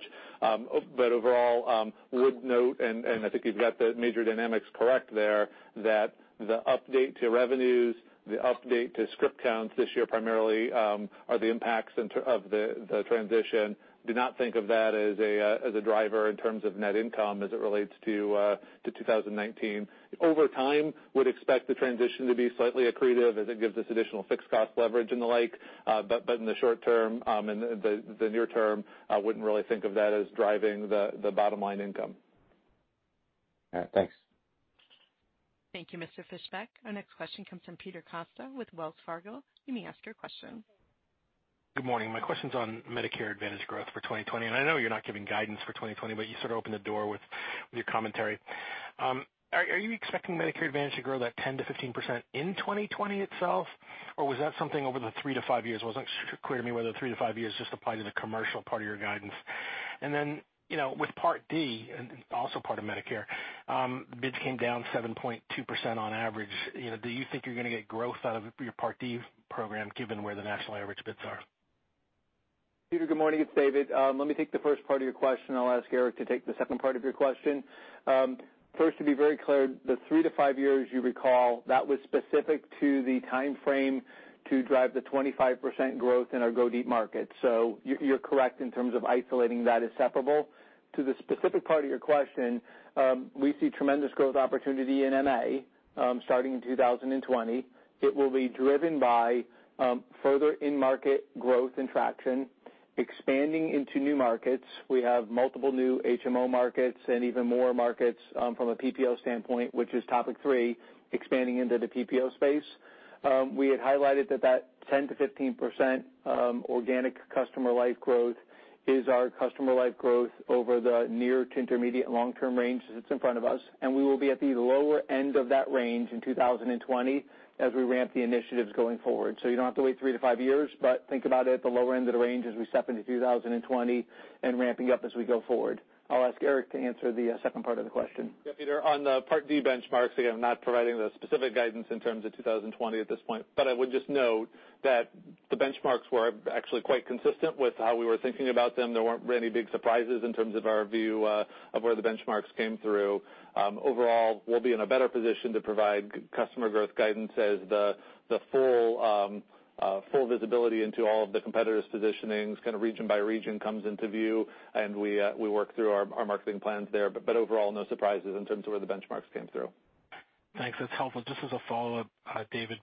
Overall, would note, and I think you've got the major dynamics correct there, that the update to revenues, the update to script counts this year primarily, are the impacts of the transition. Do not think of that as a driver in terms of net income as it relates to 2019. Over time, would expect the transition to be slightly accretive as it gives us additional fixed cost leverage and the like. In the short term, the near term, I wouldn't really think of that as driving the bottom line income. All right, thanks. Thank you, Mr. Fischbeck. Our next question comes from Peter Costa with Wells Fargo. You may ask your question. Good morning. My question's on Medicare Advantage growth for 2020, and I know you're not giving guidance for 2020, but you sort of opened the door with your commentary. Are you expecting Medicare Advantage to grow that 10%-15% in 2020 itself, or was that something over the three to five years? It wasn't clear to me whether the three to five years just applied to the commercial part of your guidance. With Part D, also part of Medicare, bids came down 7.2% on average. Do you think you're going to get growth out of your Part D program given where the national average bids are? Peter Costa, good morning. It's David Cordani. Let me take the first part of your question. I'll ask Eric Palmer to take the second part of your question. First, to be very clear, the three to five years you recall, that was specific to the timeframe to drive the 25% growth in our GoDeep markets. You're correct in terms of isolating that as separable. To the specific part of your question, we see tremendous growth opportunity in Medicare Advantage, starting in 2020. It will be driven by further in-market growth and traction, expanding into new markets. We have multiple new HMO markets and even more markets from a PPO standpoint, which is topic three, expanding into the PPO space. We had highlighted that 10%-15% organic customer life growth is our customer life growth over the near to intermediate long-term range that's in front of us, and we will be at the lower end of that range in 2020 as we ramp the initiatives going forward. You don't have to wait 3-5 years, but think about it at the lower end of the range as we step into 2020 and ramping up as we go forward. I'll ask Eric to answer the second part of the question. Yeah, Peter, on the Part D benchmarks, again, I'm not providing the specific guidance in terms of 2020 at this point, I would just note that the benchmarks were actually quite consistent with how we were thinking about them. There weren't any big surprises in terms of our view of where the benchmarks came through. Overall, we'll be in a better position to provide customer growth guidance as the full visibility into all of the competitors' positionings kind of region by region comes into view, and we work through our marketing plans there. Overall, no surprises in terms of where the benchmarks came through. Thanks. That's helpful. Just as a follow-up, David,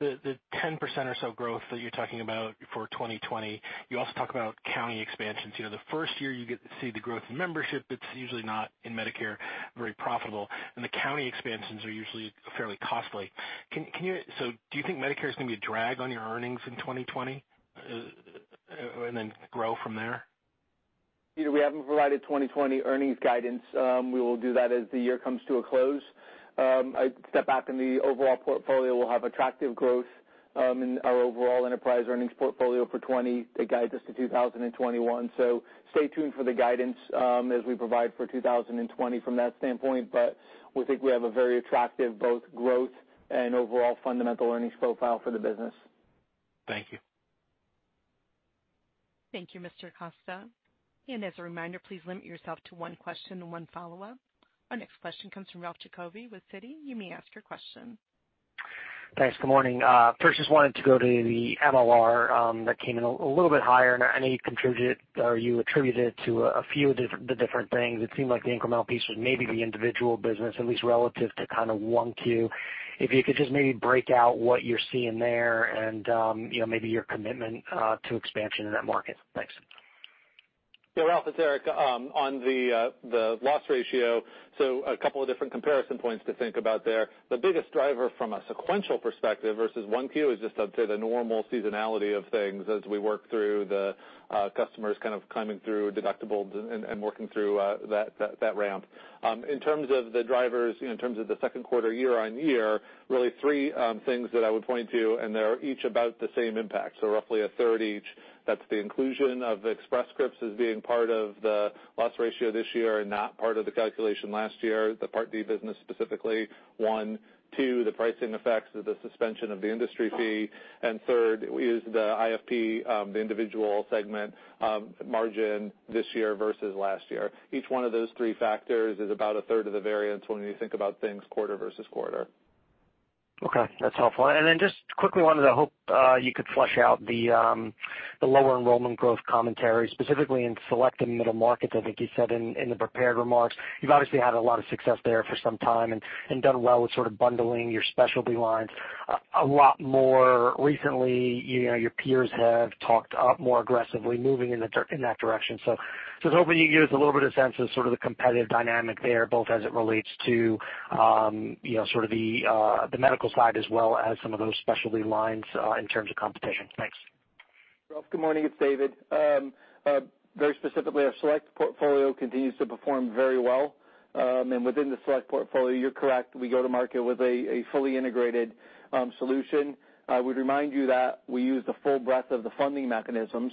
the 10% or so growth that you're talking about for 2020, you also talk about county expansions. The first year you get to see the growth in membership, it is usually not, in Medicare, very profitable, and the county expansions are usually fairly costly. Do you think Medicare is going to be a drag on your earnings in 2020, and then grow from there? Peter, we haven't provided 2020 earnings guidance. We will do that as the year comes to a close. A step back in the overall portfolio, we'll have attractive growth in our overall enterprise earnings portfolio for 2020 that guides us to 2021. Stay tuned for the guidance as we provide for 2020 from that standpoint. We think we have a very attractive both growth and overall fundamental earnings profile for the business. Thank you. Thank you, Mr. Costa. As a reminder, please limit yourself to one question and one follow-up. Our next question comes from Ralph Giacobbe with Citi. You may ask your question. Thanks. Good morning. First, just wanted to go to the MLR that came in a little bit higher, and I know you attributed it to a few of the different things. It seemed like the incremental piece was maybe the individual business, at least relative to kind of 1Q. If you could just maybe break out what you're seeing there and maybe your commitment to expansion in that market. Thanks. Yeah, Ralph, it's Eric. On the loss ratio, so a couple of different comparison points to think about there. The biggest driver from a sequential perspective versus 1Q is just, I'd say, the normal seasonality of things as we work through the customers kind of climbing through deductibles and working through that ramp. In terms of the drivers, in terms of the second quarter year-on-year, really three things that I would point to, and they're each about the same impact, so roughly a third each. That's the inclusion of Express Scripts as being part of the loss ratio this year and not part of the calculation last year, the Part D business, specifically, one. Two, the pricing effects of the suspension of the industry fee. Third is the IFP, the individual segment margin this year versus last year. Each one of those three factors is about a third of the variance when you think about things quarter-over-quarter. Okay, that's helpful. Then just quickly wanted to hope you could flesh out the lower enrollment growth commentary, specifically in select and middle markets, I think you said in the prepared remarks. You've obviously had a lot of success there for some time and done well with sort of bundling your specialty lines. A lot more recently, your peers have talked more aggressively moving in that direction. I was hoping you could give us a little bit of sense of sort of the competitive dynamic there, both as it relates to sort of the medical side as well as some of those specialty lines in terms of competition? Thanks. Ralph, good morning. It's David. Very specifically, our select portfolio continues to perform very well. Within the select portfolio, you're correct, we go to market with a fully integrated solution. I would remind you that we use the full breadth of the funding mechanisms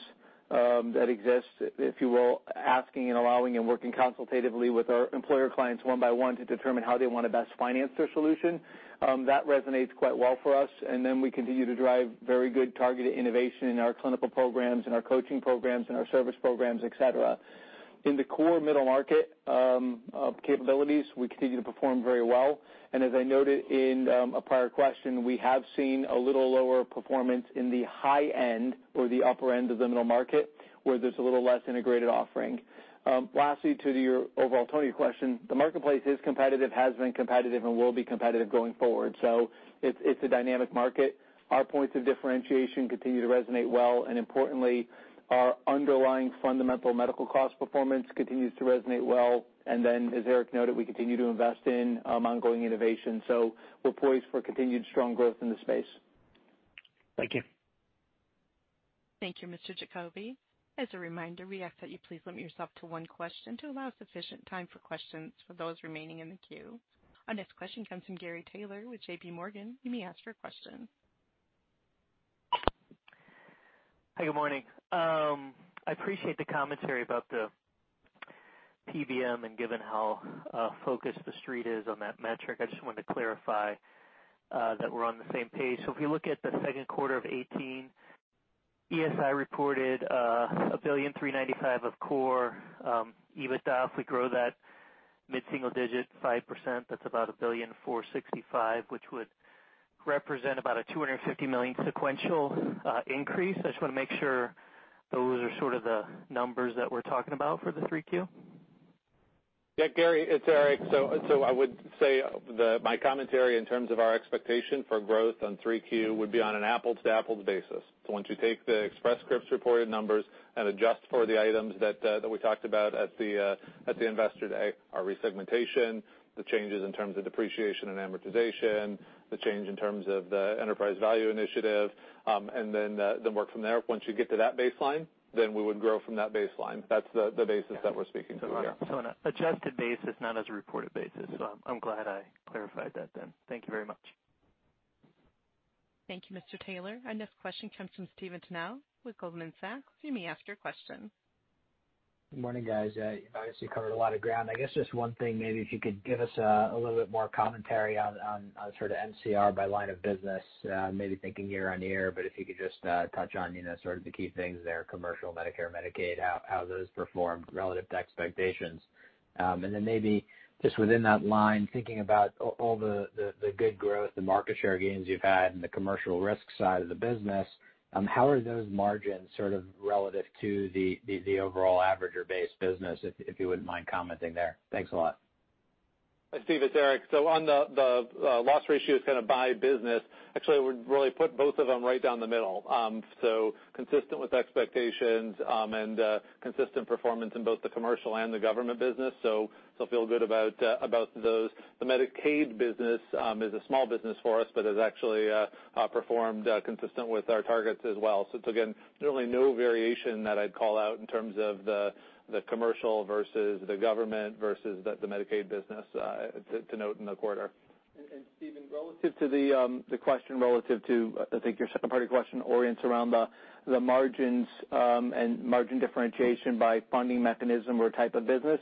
that exist, if you will, asking and allowing and working consultatively with our employer clients one by one to determine how they want to best finance their solution. That resonates quite well for us, we continue to drive very good targeted innovation in our clinical programs, in our coaching programs, in our service programs, et cetera. In the core middle market capabilities, we continue to perform very well. As I noted in a prior question, we have seen a little lower performance in the high end or the upper end of the middle market, where there's a little less integrated offering. Lastly, to your overall tone of your question, the marketplace is competitive, has been competitive, and will be competitive going forward. It's a dynamic market. Our points of differentiation continue to resonate well, and importantly, our underlying fundamental medical cost performance continues to resonate well. As Eric noted, we continue to invest in ongoing innovation. We're poised for continued strong growth in the space. Thank you. Thank you, Mr. Giacobbe. As a reminder, we ask that you please limit yourself to one question to allow sufficient time for questions for those remaining in the queue. Our next question comes from Gary Taylor with JPMorgan. You may ask your question. Hi, good morning. I appreciate the commentary about the PBM and given how focused the street is on that metric. I just wanted to clarify that we're on the same page. If you look at the second quarter of 2018, ESI reported $1.395 billion of core EBITDA. If we grow that mid-single digit 5%, that's about $1.465 billion, which would represent about a $250 million sequential increase. I just want to make sure those are sort of the numbers that we're talking about for the 3Q. Yeah, Gary, it's Eric. I would say my commentary in terms of our expectation for growth on 3Q would be on an apples-to-apples basis. Once you take the Express Scripts reported numbers and adjust for the items that we talked about at the Investor Day, our resegmentation, the changes in terms of depreciation and amortization, the change in terms of the enterprise value initiative, work from there. Once you get to that baseline, we would grow from that baseline. That's the basis that we're speaking to here. On an adjusted basis, not as a reported basis. I'm glad I clarified that then. Thank you very much. Thank you, Mr. Taylor. Our next question comes from Stephen Tanal with Goldman Sachs. You may ask your question. Good morning, guys. You've obviously covered a lot of ground. I guess just one thing, maybe if you could give us a little bit more commentary on sort of MCR by line of business, maybe thinking year-over-year, but if you could just touch on sort of the key things there, commercial, Medicare, Medicaid, how those performed relative to expectations. Then maybe just within that line, thinking about all the good growth, the market share gains you've had in the commercial risk side of the business, how are those margins sort of relative to the overall average base business, if you wouldn't mind commenting there. Thanks a lot. Stephen, it's Eric. On the loss ratios kind of by business, actually, I would really put both of them right down the middle. Consistent with expectations, and consistent performance in both the commercial and the government business. Feel good about those. The Medicaid business is a small business for us, but has actually performed consistent with our targets as well. It's again, really no variation that I'd call out in terms of the commercial versus the government versus the Medicaid business to note in the quarter. Steven, relative to the question relative to, I think your second part of your question orients around the margins, and margin differentiation by funding mechanism or type of business.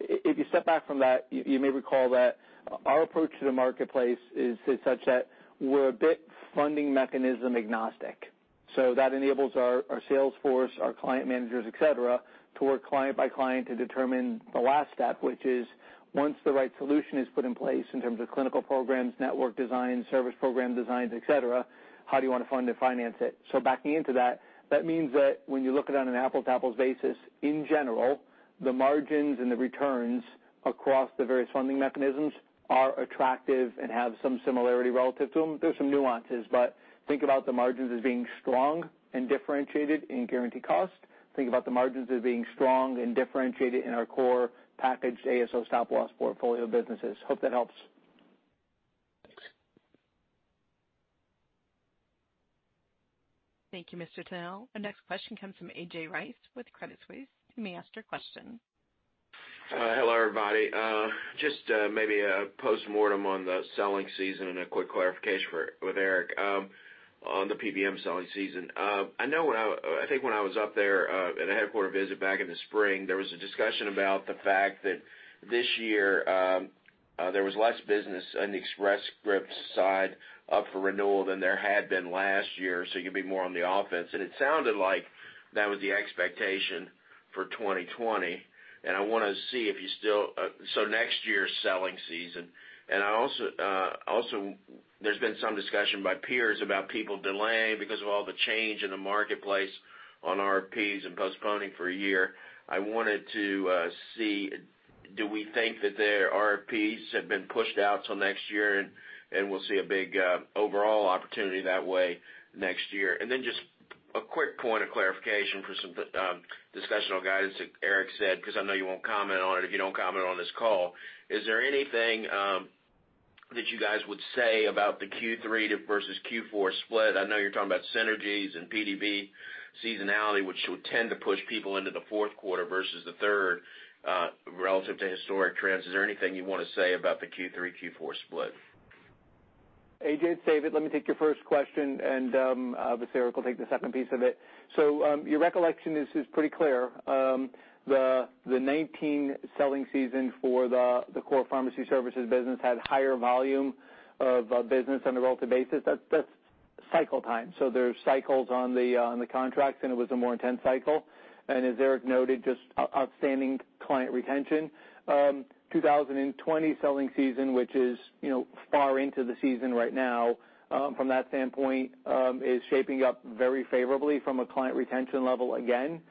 If you step back from that, you may recall that our approach to the marketplace is such that we're a bit funding mechanism agnostic. That enables our sales force, our client managers, et cetera, to work client by client to determine the last step, which is once the right solution is put in place in terms of clinical programs, network design, service program designs, et cetera, how do you want to fund and finance it? Backing into that means that when you look at it on an apples to apples basis, in general, the margins and the returns across the various funding mechanisms are attractive and have some similarity relative to them. There's some nuances, but think about the margins as being strong and differentiated in guaranteed cost. Think about the margins as being strong and differentiated in our core packaged ASO stop loss portfolio businesses. Hope that helps. Thanks. Thank you, Mr. Tanal. Our next question comes from A.J. Rice with Credit Suisse. You may ask your question. Hello, everybody. Just maybe a postmortem on the selling season and a quick clarification with Eric on the PBM selling season. I think when I was up there at a headquarter visit back in the spring, there was a discussion about the fact that this year, there was less business on the Express Scripts side up for renewal than there had been last year, so you'd be more on the offense. It sounded like that was the expectation for 2020. I want to see if you still-- so next year's selling season. Also, there's been some discussion by peers about people delaying because of all the change in the marketplace on RFPs and postponing for a year. I wanted to see, do we think that their RFPs have been pushed out till next year, and we'll see a big overall opportunity that way next year? Just a quick point of clarification for some discussional guidance that Eric said, because I know you won't comment on it if you don't comment on this call. Is there anything that you guys would say about the Q3 versus Q4 split? I know you're talking about synergies and PDV seasonality, which would tend to push people into the fourth quarter versus the third, relative to historic trends. Is there anything you want to say about the Q3, Q4 split? A.J., it's David. Let me take your first question, and Eric will take the second piece of it. Your recollection is pretty clear. The 2019 selling season for the core pharmacy services business had higher volume of business on a relative basis. That's cycle time. There's cycles on the contracts, and it was a more intense cycle. As Eric noted, just outstanding client retention. 2020 selling season, which is far into the season right now, from that standpoint, is shaping up very favorably from a client retention level again,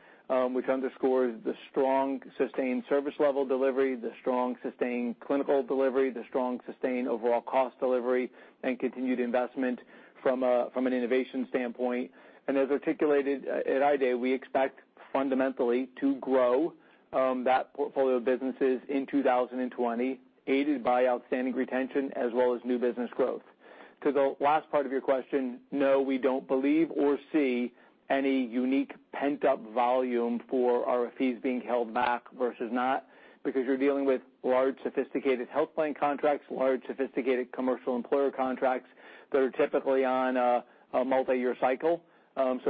which underscores the strong sustained service level delivery, the strong sustained clinical delivery, the strong sustained overall cost delivery, and continued investment from an innovation standpoint. As articulated at IDAY, we expect fundamentally to grow that portfolio of businesses in 2020, aided by outstanding retention as well as new business growth. To the last part of your question, no, we don't believe or see any unique pent-up volume for RFPs being held back versus not, because you're dealing with large, sophisticated health plan contracts, large, sophisticated commercial employer contracts that are typically on a multi-year cycle.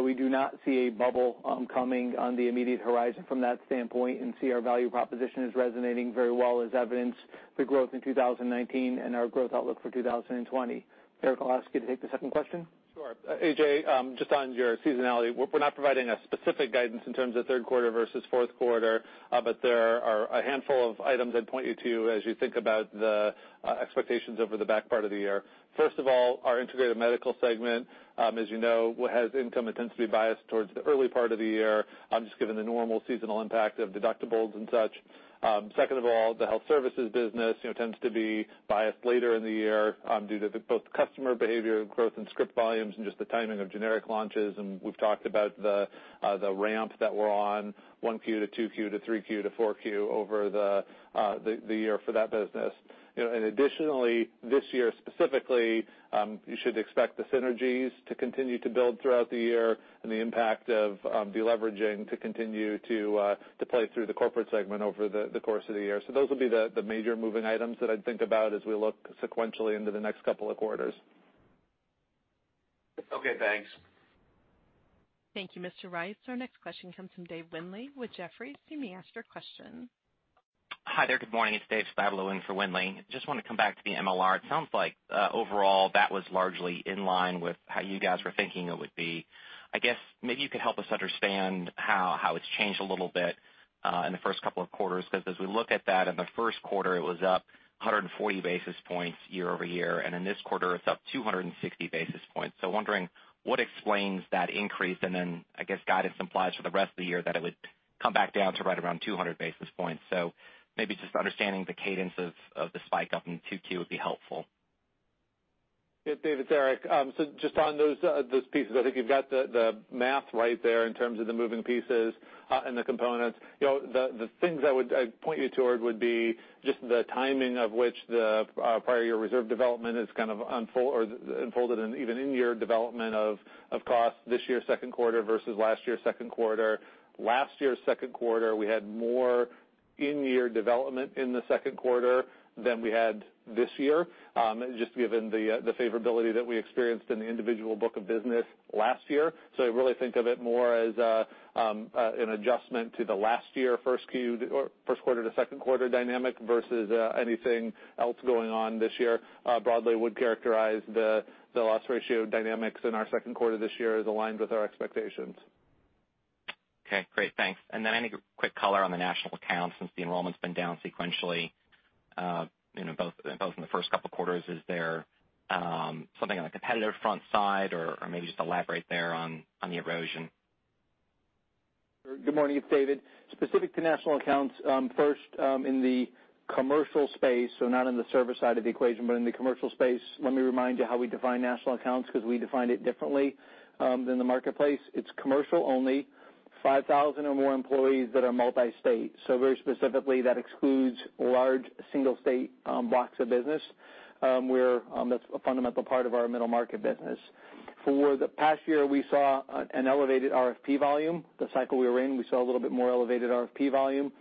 We do not see a bubble coming on the immediate horizon from that standpoint and see our value proposition is resonating very well, as evidenced the growth in 2019 and our growth outlook for 2020. Eric, I'll ask you to take the second question. Sure. A.J. Rice, just on your seasonality, we're not providing a specific guidance in terms of third quarter versus fourth quarter, there are a handful of items I'd point you to as you think about the expectations over the back part of the year. First of all, our Integrated Medical Segment, as you know, has income that tends to be biased towards the early part of the year, just given the normal seasonal impact of deductibles and such. Second of all, the health services business tends to be biased later in the year due to both customer behavior, growth in script volumes, and just the timing of generic launches, we've talked about the ramp that we're on 1Q to 2Q to 3Q to 4Q over the year for that business. Additionally, this year specifically, you should expect the synergies to continue to build throughout the year and the impact of deleveraging to continue to play through the corporate segment over the course of the year. Those will be the major moving items that I'd think about as we look sequentially into the next couple of quarters. Okay, thanks. Thank you, Mr. Rice. Our next question comes from David Windley with Jefferies. You may ask your question. Hi there. Good morning. It's David Spavone in for Windley. Just want to come back to the MLR. It sounds like overall that was largely in line with how you guys were thinking it would be. I guess maybe you could help us understand how it's changed a little bit, in the first couple of quarters, because as we look at that, in the first quarter, it was up 140 basis points year-over-year, and in this quarter, it's up 260 basis points. Wondering what explains that increase, and then I guess guidance implies for the rest of the year that it would come back down to right around 200 basis points. Maybe just understanding the cadence of the spike up in 2Q would be helpful. Yeah. Dave, it's Eric. Just on those pieces, I think you've got the math right there in terms of the moving pieces and the components. The things I would point you toward would be just the timing of which the prior year reserve development is kind of unfolded even in-year development of cost this year, second quarter versus last year, second quarter. Last year, second quarter, we had more in-year development in the second quarter than we had this year, just given the favorability that we experienced in the individual book of business last year. I really think of it more as an adjustment to the last year first quarter to second quarter dynamic versus anything else going on this year. Broadly would characterize the loss ratio dynamics in our second quarter this year as aligned with our expectations. Okay, great. Thanks. I need quick color on the national account since the enrollment's been down sequentially both in the first couple quarters. Is there something on the competitor front side or maybe just elaborate there on the erosion? Good morning, it's David. Specific to national accounts, first, in the commercial space, so not in the service side of the equation, but in the commercial space, let me remind you how we define national accounts because we define it differently than the marketplace. It's commercial only, 5,000 or more employees that are multi-state. Very specifically, that excludes large single state blocks of business. That's a fundamental part of our middle market business. For the past year, we saw an elevated RFP volume. The cycle we were in, we saw a little bit more elevated RFP volume.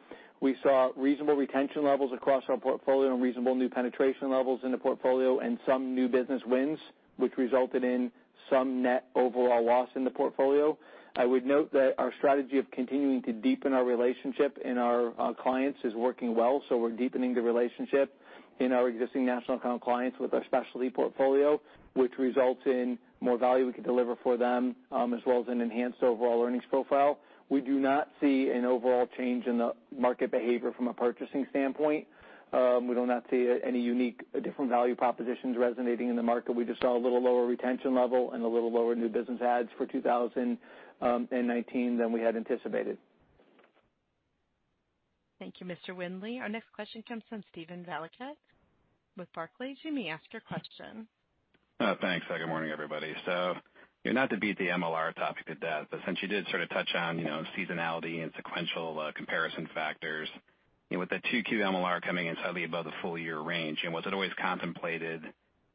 We saw reasonable retention levels across our portfolio and reasonable new penetration levels in the portfolio and some new business wins, which resulted in some net overall loss in the portfolio. I would note that our strategy of continuing to deepen our relationship in our clients is working well. We're deepening the relationship in our existing national account clients with our specialty portfolio, which results in more value we can deliver for them, as well as an enhanced overall earnings profile. We do not see an overall change in the market behavior from a purchasing standpoint. We do not see any unique different value propositions resonating in the market. We just saw a little lower retention level and a little lower new business adds for 2019 than we had anticipated. Thank you, Mr. Windley. Our next question comes from Steven Valiquette with Barclays. You may ask your question. Thanks. Good morning, everybody. Not to beat the MLR topic to death, but since you did sort of touch on seasonality and sequential comparison factors, with the 2Q MLR coming in slightly above the full-year range, was it always contemplated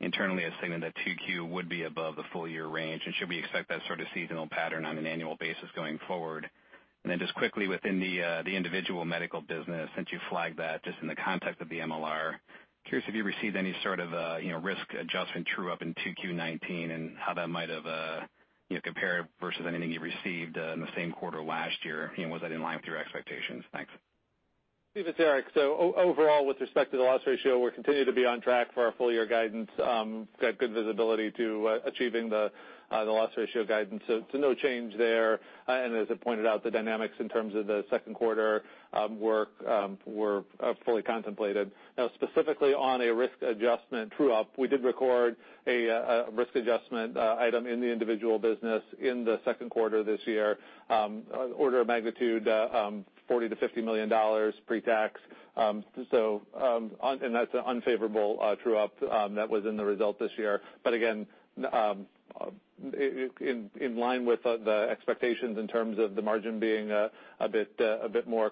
internally as Cigna that 2Q would be above the full-year range? Should we expect that sort of seasonal pattern on an annual basis going forward? Just quickly within the individual medical business, since you flagged that just in the context of the MLR, curious if you received any sort of risk adjustment true-up in 2Q19 and how that might have compared versus anything you received in the same quarter last year, and was that in line with your expectations? Thanks. Steve, it's Eric. Overall, with respect to the loss ratio, we continue to be on track for our full year guidance. Got good visibility to achieving the loss ratio guidance. No change there. As I pointed out, the dynamics in terms of the second quarter were fully contemplated. Specifically on a risk adjustment true-up, we did record a risk adjustment item in the individual business in the second quarter this year. Order of magnitude, $40 million-$50 million pre-tax. That's an unfavorable true-up that was in the result this year. Again, in line with the expectations in terms of the margin being a bit more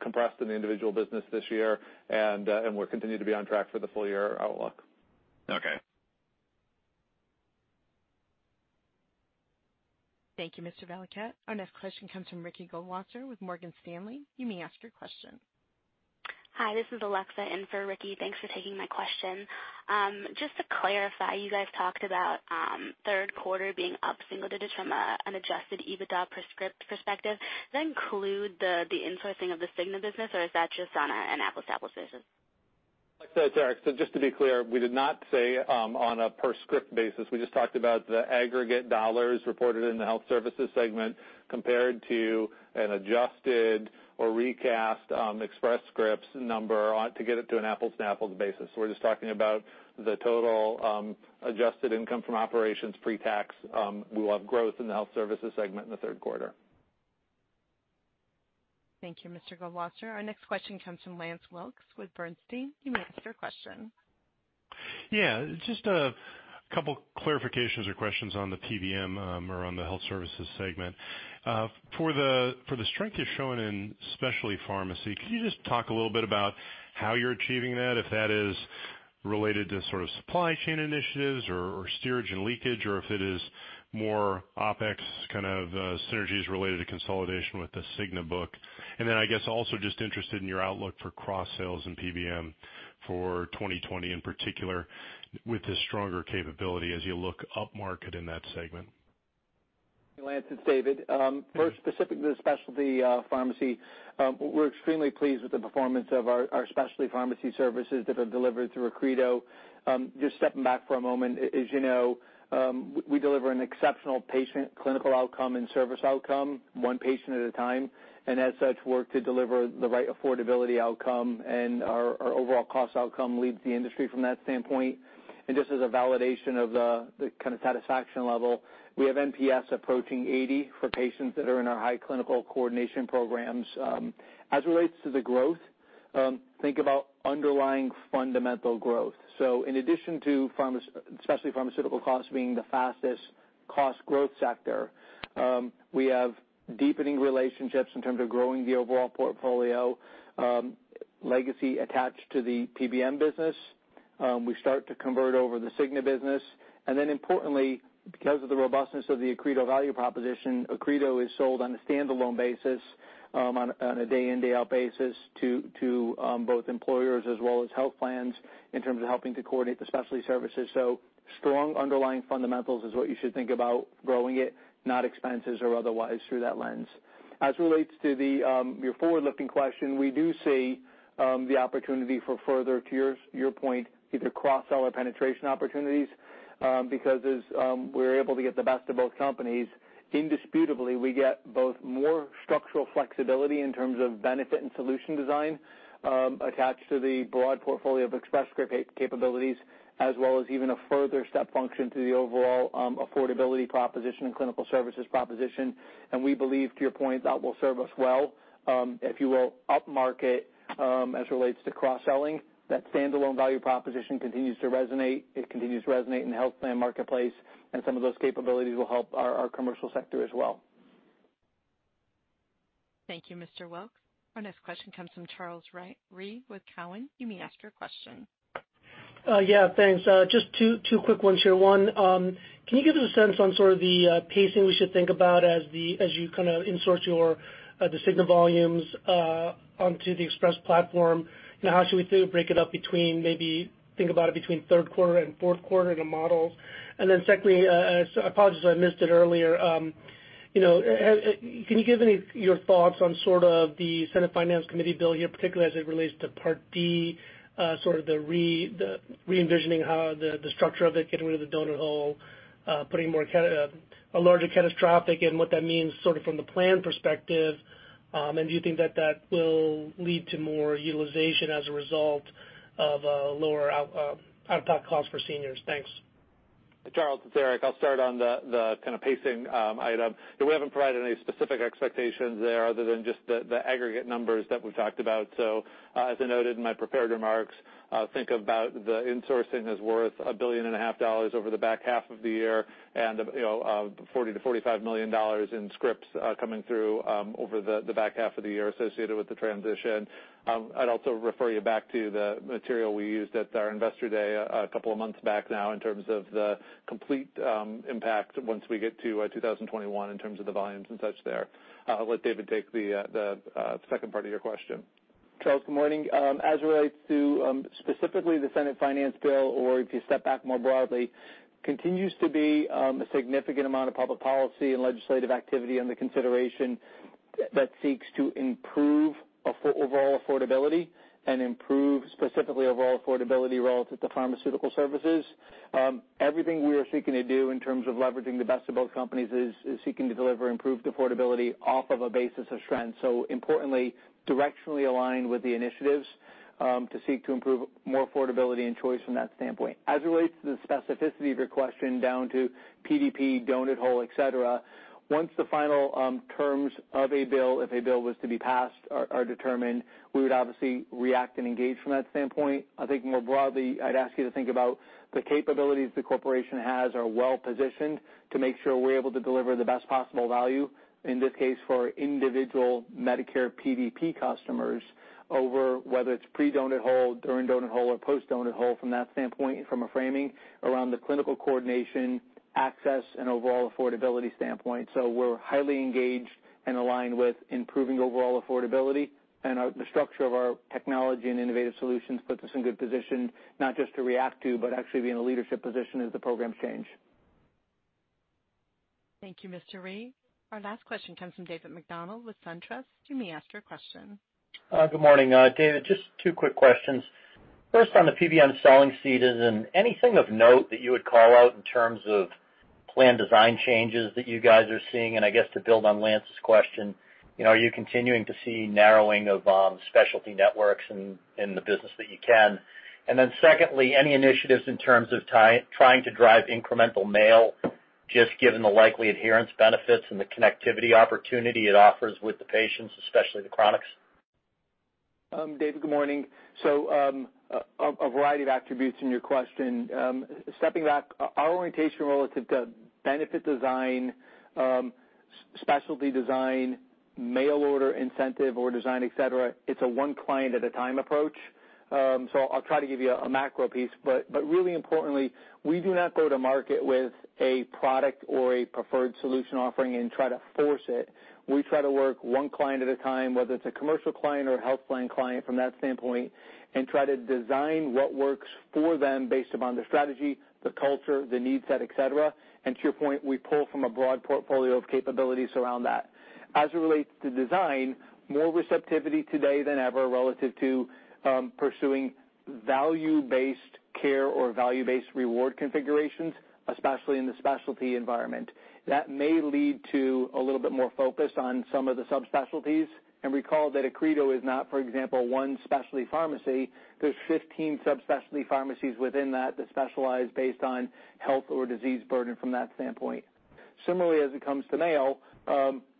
compressed in the individual business this year, and we'll continue to be on track for the full year outlook. Okay. Thank you, Mr. Valiquette. Our next question comes from Ricky Goldwasser with Morgan Stanley. You may ask your question. Hi, this is Alexa in for Ricky. Thanks for taking my question. Just to clarify, you guys talked about third quarter being up single digits from an adjusted EBITDA per script perspective. Does that include the insourcing of the Cigna business, or is that just on an apples-to-apples basis? Alexa, it's Eric. Just to be clear, we did not say on a per script basis. We just talked about the aggregate dollars reported in the health services segment compared to an adjusted or recast Express Scripts number to get it to an apples-to-apples basis. We are just talking about the total adjusted income from operations pre-tax. We will have growth in the health services segment in the third quarter. Thank you, Mr. Goldwasser. Our next question comes from Lance Wilkes with Bernstein. You may ask your question. Yeah. Just a couple clarifications or questions on the PBM or on the health services segment. For the strength you're showing in specialty pharmacy, could you just talk a little bit about how you're achieving that, if that is related to sort of supply chain initiatives or steerage and leakage, or if it is more OpEx kind of synergies related to consolidation with the Cigna book. I guess, also just interested in your outlook for cross-sales and PBM for 2020, in particular, with the stronger capability as you look upmarket in that segment. Lance, it's David. Specific to the specialty pharmacy, we're extremely pleased with the performance of our specialty pharmacy services that have delivered through Accredo. Just stepping back for a moment, as you know, we deliver an exceptional patient clinical outcome and service outcome, one patient at a time, as such, work to deliver the right affordability outcome, our overall cost outcome leads the industry from that standpoint. Just as a validation of the kind of satisfaction level, we have NPS approaching 80 for patients that are in our high clinical coordination programs. As it relates to the growth, think about underlying fundamental growth. In addition to specialty pharmaceutical costs being the fastest cost growth sector, we have deepening relationships in terms of growing the overall portfolio, legacy attached to the PBM business. We start to convert over the Cigna business. Then importantly, because of the robustness of the Accredo value proposition, Accredo is sold on a standalone basis, on a day in, day out basis to both employers as well as health plans in terms of helping to coordinate the specialty services. Strong underlying fundamentals is what you should think about growing it, not expenses or otherwise through that lens. As it relates to your forward-looking question, we do see the opportunity for further, to your point, either cross-sell or penetration opportunities, because as we're able to get the best of both companies, indisputably, we get both more structural flexibility in terms of benefit and solution design attached to the broad portfolio of Express Scripts capabilities, as well as even a further step function to the overall affordability proposition and clinical services proposition. We believe, to your point, that will serve us well, if you will, upmarket, as it relates to cross-selling. That standalone value proposition continues to resonate. It continues to resonate in the health plan marketplace, and some of those capabilities will help our commercial sector as well. Thank you, Mr. Wilkes. Our next question comes from Charles Rhyee with Cowen. You may ask your question. Yeah, thanks. Just two quick ones here. One, can you give us a sense on sort of the pacing we should think about as you kind of insert the Cigna volumes onto the Express platform? How should we break it up between, maybe think about it between third quarter and fourth quarter in the models? Secondly, apologies if I missed it earlier. Can you give your thoughts on sort of the Senate Finance Committee bill here, particularly as it relates to Part D, sort of the re-envisioning how the structure of it, getting rid of the donut hole, putting a larger catastrophic, and what that means sort of from the plan perspective, and do you think that will lead to more utilization as a result of lower out-of-pocket costs for seniors? Thanks. Charles, it's Eric. I'll start on the kind of pacing item. We haven't provided any specific expectations there other than just the aggregate numbers that we've talked about. As I noted in my prepared remarks, think about the insourcing as worth $1.5 billion over the back half of the year, and $40 million-$45 million in scripts coming through over the back half of the year associated with the transition. I'd also refer you back to the material we used at our Investor Day a couple of months back now in terms of the complete impact once we get to 2021 in terms of the volumes and such there. I'll let David take the second part of your question. Charles, good morning. As it relates to specifically the Senate Finance bill, or if you step back more broadly, continues to be a significant amount of public policy and legislative activity under consideration that seeks to improve overall affordability and improve specifically overall affordability relative to pharmaceutical services. Everything we are seeking to do in terms of leveraging the best of both companies is seeking to deliver improved affordability off of a basis of strength. Importantly, directionally aligned with the initiatives to seek to improve more affordability and choice from that standpoint. As it relates to the specificity of your question down to PDP, donut hole, et cetera, once the final terms of a bill, if a bill was to be passed, are determined, we would obviously react and engage from that standpoint. I think more broadly, I'd ask you to think about the capabilities the corporation has are well-positioned to make sure we're able to deliver the best possible value, in this case, for individual Medicare PDP customers over, whether it's pre donut hole, during donut hole, or post donut hole from that standpoint, from a framing around the clinical coordination, access, and overall affordability standpoint. We're highly engaged and aligned with improving overall affordability, and the structure of our technology and innovative solutions puts us in good position, not just to react to, but actually be in a leadership position as the programs change. Thank you, Mr. Rhee. Our last question comes from David MacDonald with SunTrust. You may ask your question. Good morning. David, just two quick questions. First, on the PBM selling seat, is there anything of note that you would call out in terms of plan design changes that you guys are seeing? I guess to build on Lance's question, are you continuing to see narrowing of specialty networks in the business that you can? Secondly, any initiatives in terms of trying to drive incremental mail, just given the likely adherence benefits and the connectivity opportunity it offers with the patients, especially the chronics? David, good morning. A variety of attributes in your question. Stepping back, our orientation relative to benefit design, Specialty design, mail order incentive or design, et cetera, it's a one client at a time approach. I'll try to give you a macro piece, but really importantly, we do not go to market with a product or a preferred solution offering and try to force it. We try to work one client at a time, whether it's a commercial client or a health plan client from that standpoint, and try to design what works for them based upon the strategy, the culture, the need set, et cetera. To your point, we pull from a broad portfolio of capabilities around that. As it relates to design, more receptivity today than ever relative to pursuing value-based care or value-based reward configurations, especially in the specialty environment. That may lead to a little bit more focus on some of the subspecialties, and recall that Accredo is not, for example, one specialty pharmacy. There's 15 subspecialty pharmacies within that specialize based on health or disease burden from that standpoint. Similarly, as it comes to mail,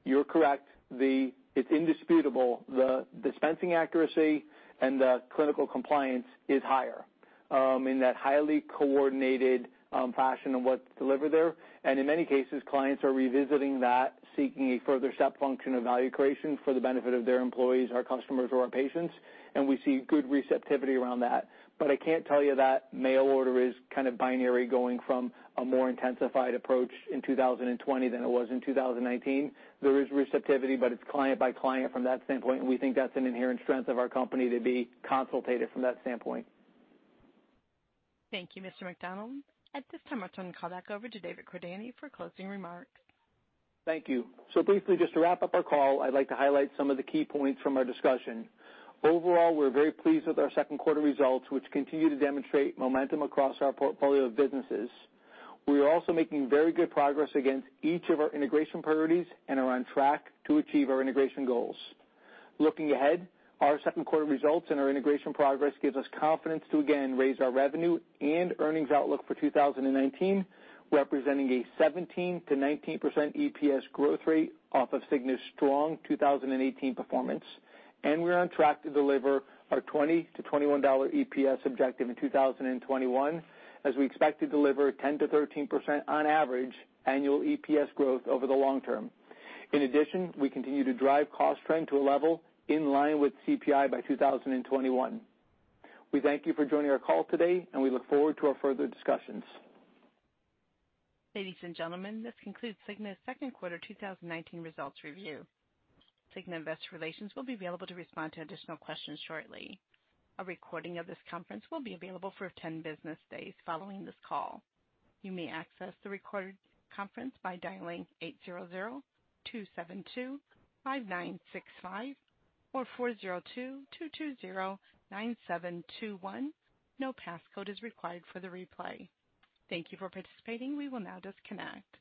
you're correct. It's indisputable, the dispensing accuracy and the clinical compliance is higher in that highly coordinated fashion of what's delivered there. In many cases, clients are revisiting that, seeking a further step function of value creation for the benefit of their employees or customers or patients, and we see good receptivity around that. I can't tell you that mail order is kind of binary going from a more intensified approach in 2020 than it was in 2019. There is receptivity, but it's client by client from that standpoint, and we think that's an inherent strength of our company to be consultative from that standpoint. Thank you, Mr. MacDonald. At this time, I'll turn the call back over to David Cordani for closing remarks. Thank you. Briefly, just to wrap up our call, I'd like to highlight some of the key points from our discussion. Overall, we're very pleased with our second quarter results, which continue to demonstrate momentum across our portfolio of businesses. We are also making very good progress against each of our integration priorities and are on track to achieve our integration goals. Looking ahead, our second quarter results and our integration progress gives us confidence to again raise our revenue and earnings outlook for 2019, representing a 17%-19% EPS growth rate off of Cigna's strong 2018 performance. We're on track to deliver our $20-$21 EPS objective in 2021, as we expect to deliver 10%-13% on average annual EPS growth over the long term. In addition, we continue to drive cost trend to a level in line with CPI by 2021. We thank you for joining our call today, and we look forward to our further discussions. Ladies and gentlemen, this concludes Cigna's second quarter 2019 results review. Cigna Investor Relations will be available to respond to additional questions shortly. A recording of this conference will be available for 10 business days following this call. You may access the recorded conference by dialing 800-272-5965 or 402-220-9721. No passcode is required for the replay. Thank you for participating. We will now disconnect.